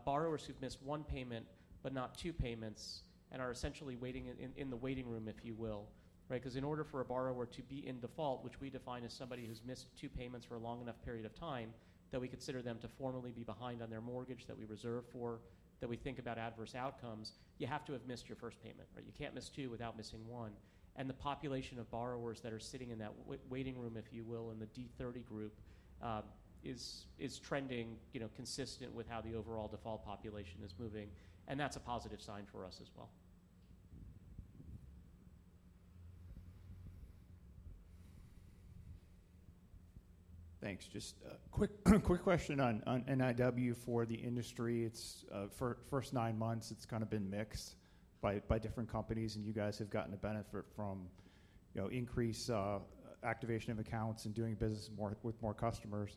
borrowers who've missed one payment but not two payments and are essentially waiting in the waiting room, if you will, right? Because in order for a borrower to be in default, which we define as somebody who's missed two payments for a long enough period of time that we consider them to formally be behind on their mortgage that we reserve for, that we think about adverse outcomes, you have to have missed your first payment, right? You can't miss two without missing one. The population of borrowers that are sitting in that waiting room, if you will, in the D30 group is trending consistent with how the overall default population is moving. And that's a positive sign for us as well. Thanks. Just a quick question on NIW for the industry. It's first nine months, it's kind of been mixed by different companies, and you guys have gotten a benefit from increased activation of accounts and doing business with more customers.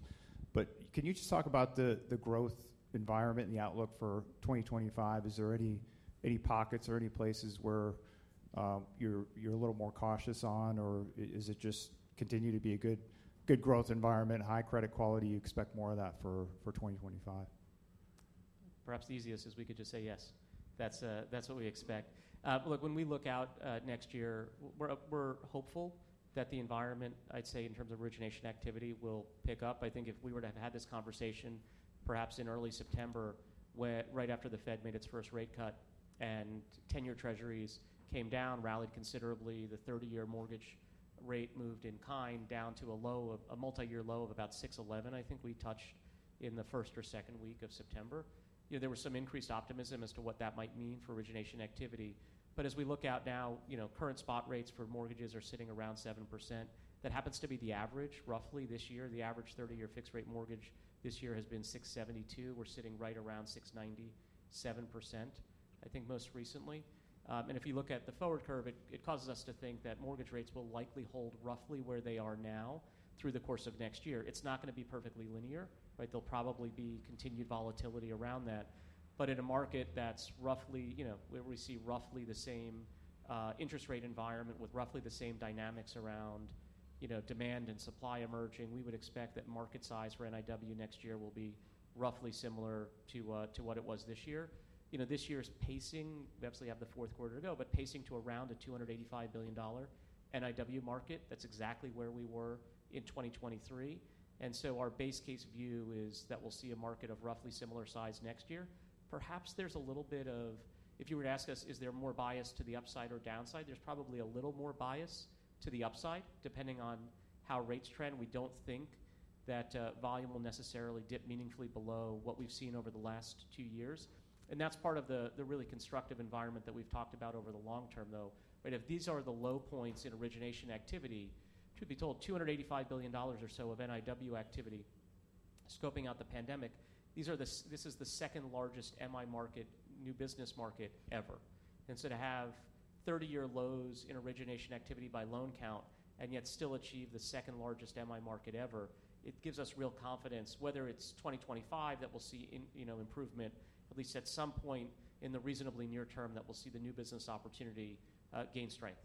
But can you just talk about the growth environment and the outlook for 2025? Is there any pockets or any places where you're a little more cautious on, or is it just continue to be a good growth environment, high credit quality? You expect more of that for 2025? Perhaps the easiest is we could just say yes. That's what we expect. Look, when we look out next year, we're hopeful that the environment, I'd say in terms of origination activity, will pick up. I think if we were to have had this conversation perhaps in early September, right after the Fed made its first rate cut and 10-year treasuries came down, rallied considerably, the 30-year mortgage rate moved in kind down to a multi-year low of about 6.11, I think we touched in the first or second week of September. There was some increased optimism as to what that might mean for origination activity. But as we look out now, current spot rates for mortgages are sitting around 7%. That happens to be the average roughly this year. The average 30-year fixed-rate mortgage this year has been 6.72. We're sitting right around 6.97%, I think most recently. And if you look at the forward curve, it causes us to think that mortgage rates will likely hold roughly where they are now through the course of next year. It's not going to be perfectly linear, right? There'll probably be continued volatility around that. But in a market that's roughly where we see roughly the same interest rate environment with roughly the same dynamics around demand and supply emerging, we would expect that market size for NIW next year will be roughly similar to what it was this year. This year's pacing, we absolutely have the fourth quarter to go, but pacing to around a $285 billion NIW market. That's exactly where we were in 2023. And so our base case view is that we'll see a market of roughly similar size next year. Perhaps there's a little bit of, if you were to ask us, is there more bias to the upside or downside? There's probably a little more bias to the upside, depending on how rates trend. We don't think that volume will necessarily dip meaningfully below what we've seen over the last two years, and that's part of the really constructive environment that we've talked about over the long term, though, right? If these are the low points in origination activity, truth be told, $285 billion or so of NIW activity scoping out the pandemic, this is the second largest MI market new business market ever. And so to have 30-year lows in origination activity by loan count and yet still achieve the second largest MI market ever, it gives us real confidence, whether it's 2025 that we'll see improvement, at least at some point in the reasonably near term that we'll see the new business opportunity gain strength.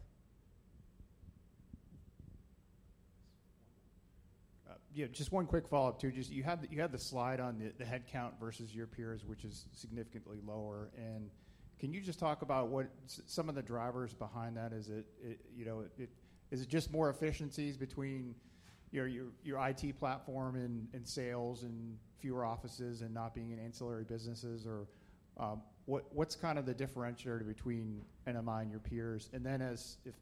Yeah, just one quick follow-up too. You had the slide on the headcount versus your peers, which is significantly lower. And can you just talk about what some of the drivers behind that? Is it just more efficiencies between your IT platform and sales and fewer offices and not being in ancillary businesses? Or what's kind of the differentiator between NMI and your peers? And then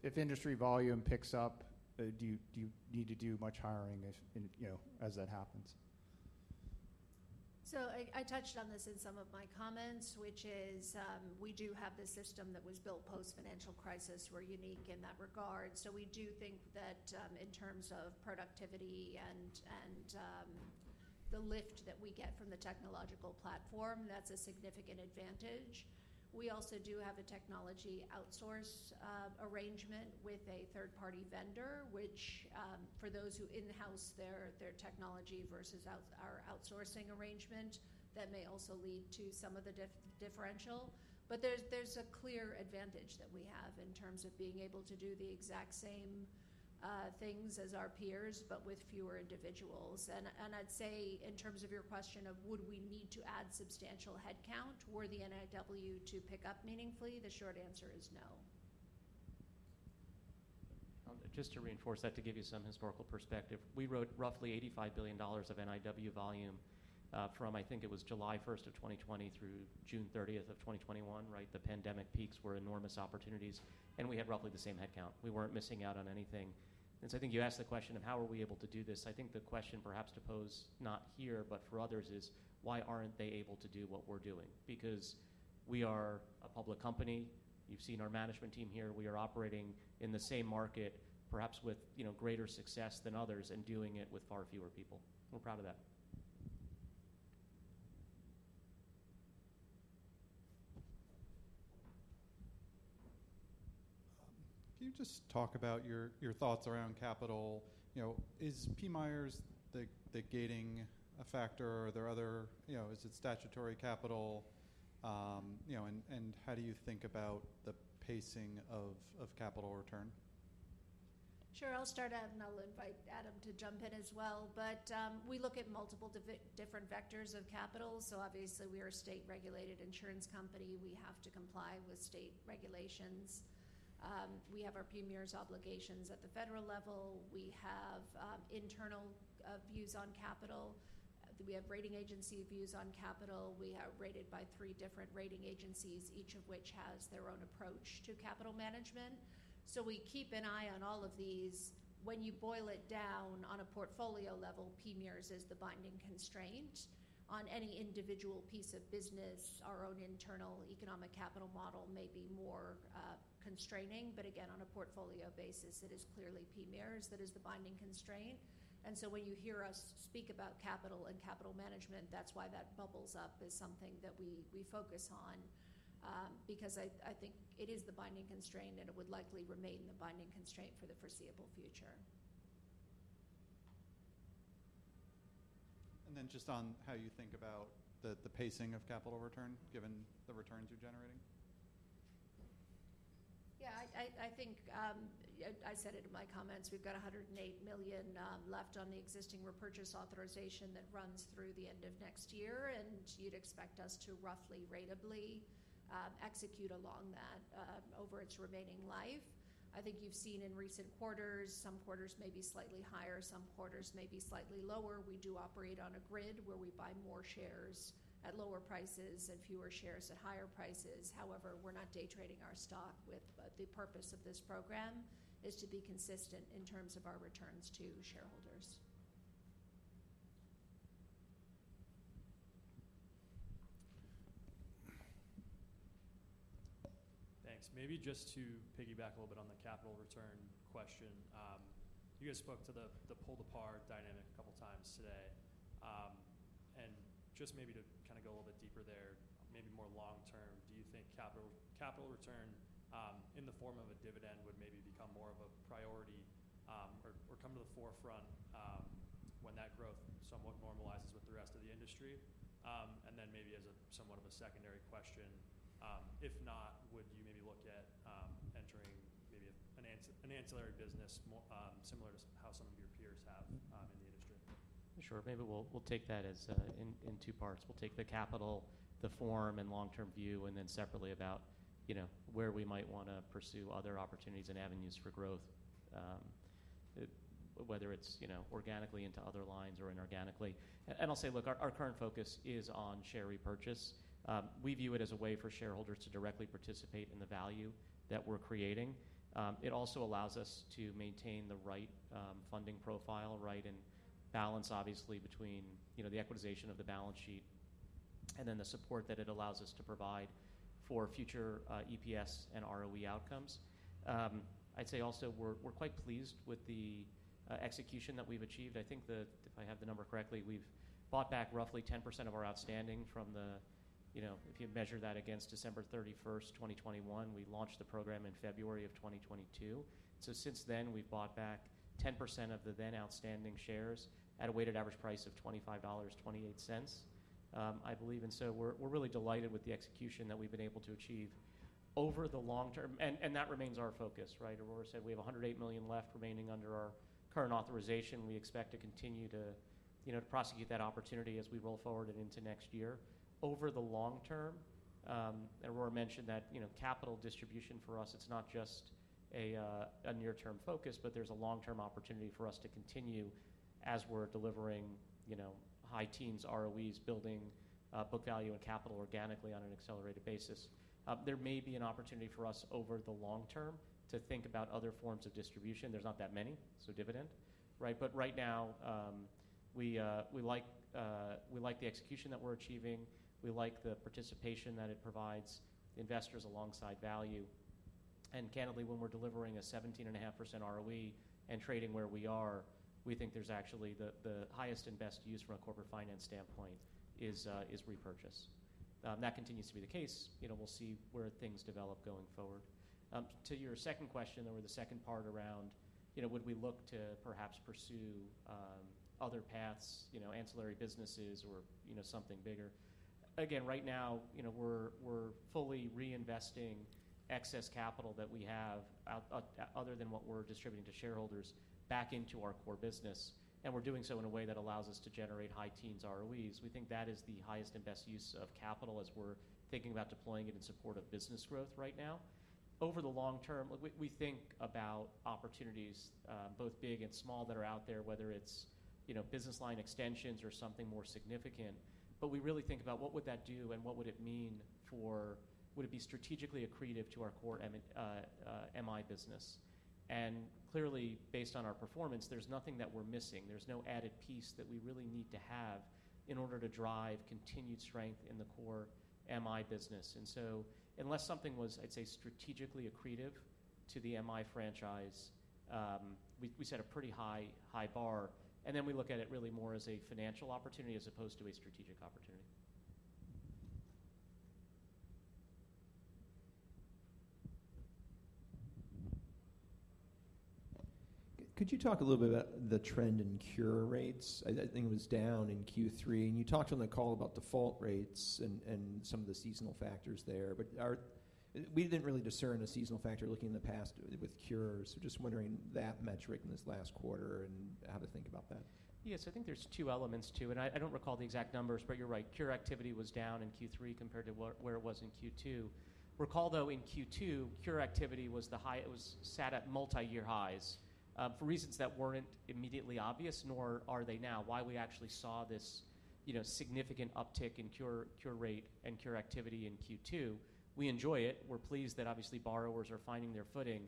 if industry volume picks up, do you need to do much hiring as that happens? So I touched on this in some of my comments, which is we do have this system that was built post-financial crisis. We're unique in that regard. So we do think that in terms of productivity and the lift that we get from the technological platform, that's a significant advantage. We also do have a technology outsource arrangement with a third-party vendor, which, for those who in-house their technology versus our outsourcing arrangement, that may also lead to some of the differential. But there's a clear advantage that we have in terms of being able to do the exact same things as our peers, but with fewer individuals. And I'd say in terms of your question of would we need to add substantial headcount or the NIW to pick up meaningfully, the short answer is no. Just to reinforce that, to give you some historical perspective, we wrote roughly $85 billion of NIW volume from, I think it was July 1st of 2020 through June 30th of 2021, right? The pandemic peaks were enormous opportunities, and we had roughly the same headcount. We weren't missing out on anything. And so I think you asked the question of how are we able to do this. I think the question perhaps to pose, not here, but for others, is why aren't they able to do what we're doing? Because we are a public company. You've seen our management team here. We are operating in the same market, perhaps with greater success than others and doing it with far fewer people. We're proud of that. Can you just talk about your thoughts around capital? Is PMIERs the gating factor? Are there other? Is it statutory capital? And how do you think about the pacing of capital return? Sure. I'll start out and I'll invite Adam to jump in as well. But we look at multiple different vectors of capital. So obviously, we are a state-regulated insurance company. We have to comply with state regulations. We have our PMIERs obligations at the federal level. We have internal views on capital. We have rating agency views on capital. We are rated by three different rating agencies, each of which has their own approach to capital management. So we keep an eye on all of these. When you boil it down on a portfolio level, PMIERs is the binding constraint. On any individual piece of business, our own internal economic capital model may be more constraining. But again, on a portfolio basis, it is clearly PMIERs that is the binding constraint. And so when you hear us speak about capital and capital management, that's why that bubbles up as something that we focus on, because I think it is the binding constraint and it would likely remain the binding constraint for the foreseeable future. And then just on how you think about the pacing of capital return given the returns you're generating. Yeah, I think I said it in my comments. We've got $108 million left on the existing repurchase authorization that runs through the end of next year, and you'd expect us to roughly ratably execute along that over its remaining life. I think you've seen in recent quarters, some quarters may be slightly higher, some quarters may be slightly lower. We do operate on a grid where we buy more shares at lower prices and fewer shares at higher prices. However, we're not day trading our stock with it. But the purpose of this program is to be consistent in terms of our returns to shareholders. Thanks. Maybe just to piggyback a little bit on the capital return question, you guys spoke to the pull-to-par dynamic a couple of times today. And just maybe to kind of go a little bit deeper there, maybe more long term, do you think capital return in the form of a dividend would maybe become more of a priority or come to the forefront when that growth somewhat normalizes with the rest of the industry? And then maybe as a somewhat of a secondary question, if not, would you maybe look at entering maybe an ancillary business similar to how some of your peers have in the industry? Sure. Maybe we'll take that in two parts. We'll take the capital, the form and long-term view, and then separately about where we might want to pursue other opportunities and avenues for growth, whether it's organically into other lines or inorganically. And I'll say, look, our current focus is on share repurchase. We view it as a way for shareholders to directly participate in the value that we're creating. It also allows us to maintain the right funding profile, right, and balance, obviously, between the equitization of the balance sheet and then the support that it allows us to provide for future EPS and ROE outcomes. I'd say also we're quite pleased with the execution that we've achieved. I think if I have the number correctly, we've bought back roughly 10% of our outstanding from the, if you measure that against December 31st, 2021, we launched the program in February of 2022. So since then, we've bought back 10% of the then outstanding shares at a weighted average price of $25.28, I believe, and so we're really delighted with the execution that we've been able to achieve over the long term, and that remains our focus, right? Aurora said we have 108 million left remaining under our current authorization. We expect to continue to prosecute that opportunity as we roll forward into next year. Over the long term, Aurora mentioned that capital distribution for us, it's not just a near-term focus, but there's a long-term opportunity for us to continue as we're delivering high teens ROEs, building book value and capital organically on an accelerated basis. There may be an opportunity for us over the long term to think about other forms of distribution. There's not that many, so dividend, right? But right now, we like the execution that we're achieving. We like the participation that it provides investors alongside value. And candidly, when we're delivering a 17.5% ROE and trading where we are, we think there's actually the highest and best use from a corporate finance standpoint is repurchase. That continues to be the case. We'll see where things develop going forward. To your second question or the second part around, would we look to perhaps pursue other paths, ancillary businesses or something bigger? Again, right now, we're fully reinvesting excess capital that we have other than what we're distributing to shareholders back into our core business. And we're doing so in a way that allows us to generate high-teens ROEs. We think that is the highest and best use of capital as we're thinking about deploying it in support of business growth right now. Over the long term, we think about opportunities, both big and small, that are out there, whether it's business line extensions or something more significant. But we really think about what would that do and what would it mean for, would it be strategically accretive to our core MI business? And clearly, based on our performance, there's nothing that we're missing. There's no added piece that we really need to have in order to drive continued strength in the core MI business. And so unless something was, I'd say, strategically accretive to the MI franchise, we set a pretty high bar. And then we look at it really more as a financial opportunity as opposed to a strategic opportunity. Could you talk a little bit about the trend in cure rates? I think it was down in Q3. And you talked on the call about default rates and some of the seasonal factors there. But we didn't really discern a seasonal factor looking in the past with cures. So just wondering that metric in this last quarter and how to think about that. Yes. I think there's two elements to it. And I don't recall the exact numbers, but you're right. Cure activity was down in Q3 compared to where it was in Q2. Recall, though, in Q2, cure activity sat at multi-year highs for reasons that weren't immediately obvious, nor are they now. Why we actually saw this significant uptick in cure rate and cure activity in Q2. We enjoy it. We're pleased that obviously borrowers are finding their footing.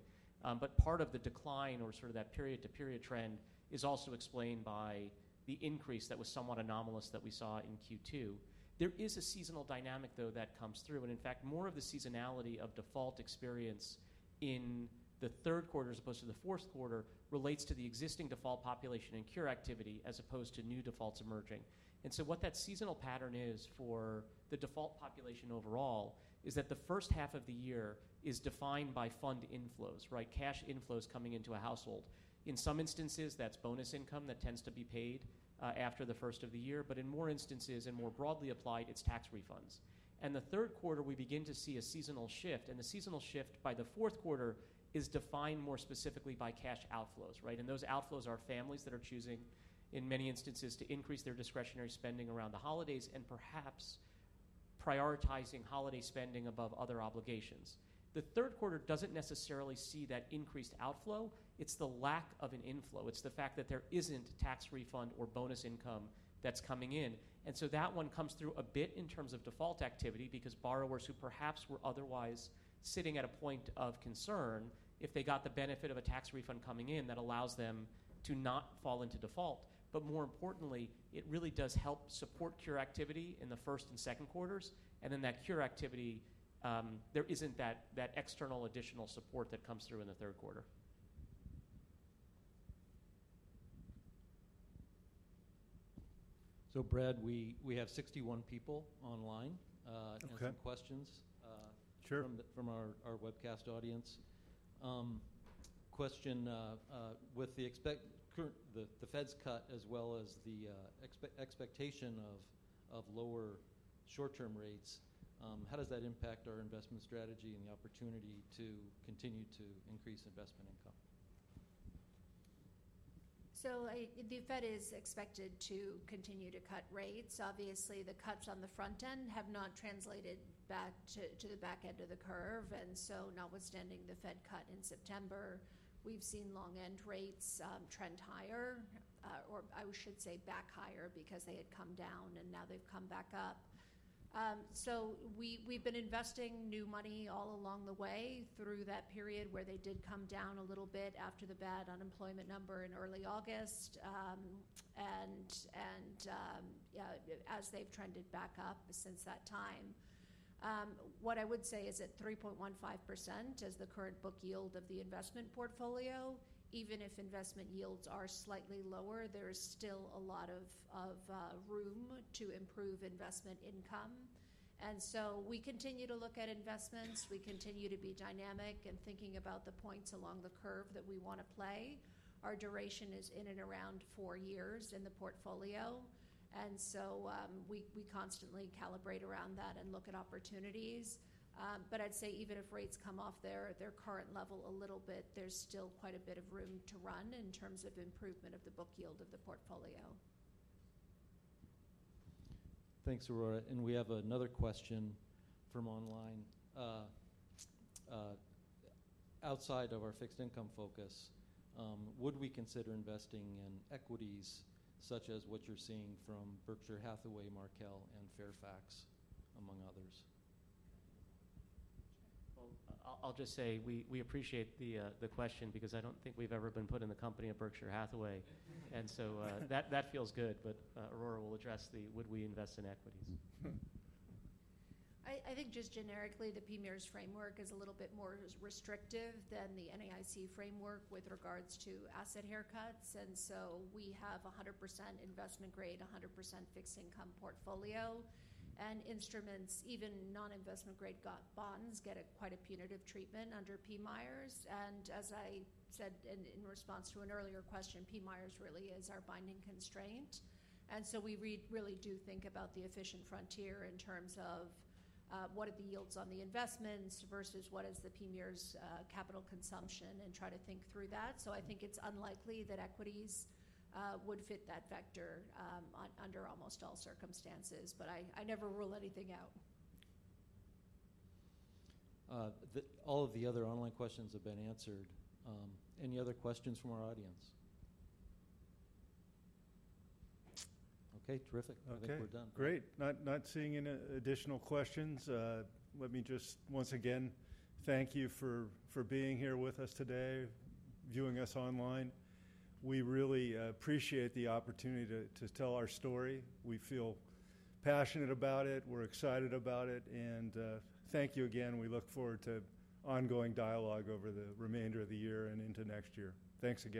But part of the decline or sort of that period-to-period trend is also explained by the increase that was somewhat anomalous that we saw in Q2. There is a seasonal dynamic, though, that comes through. In fact, more of the seasonality of default experience in the third quarter as opposed to the fourth quarter relates to the existing default population and cure activity as opposed to new defaults emerging. So what that seasonal pattern is for the default population overall is that the first half of the year is defined by fund inflows, right? Cash inflows coming into a household. In some instances, that's bonus income that tends to be paid after the first of the year. But in more instances, and more broadly applied, it's tax refunds. And the third quarter, we begin to see a seasonal shift. And the seasonal shift by the fourth quarter is defined more specifically by cash outflows, right? And those outflows are families that are choosing, in many instances, to increase their discretionary spending around the holidays and perhaps prioritizing holiday spending above other obligations. The third quarter doesn't necessarily see that increased outflow. It's the lack of an inflow. It's the fact that there isn't tax refund or bonus income that's coming in. That one comes through a bit in terms of default activity because borrowers who perhaps were otherwise sitting at a point of concern, if they got the benefit of a tax refund coming in, that allows them to not fall into default. But more importantly, it really does help support cure activity in the first and second quarters. That cure activity, there isn't that external additional support that comes through in the third quarter. Brad, we have 61 people online and some questions from our webcast audience. Question: With the Fed's cut as well as the expectation of lower short-term rates, how does that impact our investment strategy and the opportunity to continue to increase investment income? The Fed is expected to continue to cut rates. Obviously, the cuts on the front end have not translated back to the back end of the curve. And so notwithstanding the Fed cut in September, we've seen long-end rates trend higher, or I should say back higher because they had come down and now they've come back up. So we've been investing new money all along the way through that period where they did come down a little bit after the bad unemployment number in early August. And as they've trended back up since that time, what I would say is at 3.15% as the current book yield of the investment portfolio, even if investment yields are slightly lower, there is still a lot of room to improve investment income. And so we continue to look at investments. We continue to be dynamic and thinking about the points along the curve that we want to play. Our duration is in and around four years in the portfolio. We constantly calibrate around that and look at opportunities. But I'd say even if rates come off their current level a little bit, there's still quite a bit of room to run in terms of improvement of the book yield of the portfolio. Thanks, Aurora. And we have another question from online. Outside of our fixed income focus, would we consider investing in equities such as what you're seeing from Berkshire Hathaway, Markel, and Fairfax, among others? Well, I'll just say we appreciate the question because I don't think we've ever been put in the company of Berkshire Hathaway. And so that feels good. But Aurora will address the would we invest in equities? I think just generically, the PMIERs framework is a little bit more restrictive than the NAIC framework with regards to asset haircuts. And so we have a 100% investment grade, 100% fixed income portfolio. And instruments, even non-investment grade bonds, get quite a punitive treatment under PMIERs. And as I said in response to an earlier question, PMIERs really is our binding constraint. And so we really do think about the efficient frontier in terms of what are the yields on the investments versus what is the PMIERs capital consumption and try to think through that. So I think it's unlikely that equities would fit that vector under almost all circumstances, but I never rule anything out. All of the other online questions have been answered. Any other questions from our audience? Okay. Terrific. I think we're done. Okay. Great. Not seeing any additional questions. Let me just once again thank you for being here with us today, viewing us online. We really appreciate the opportunity to tell our story. We feel passionate about it. We're excited about it. And thank you again. We look forward to ongoing dialogue over the remainder of the year and into next year. Thanks again.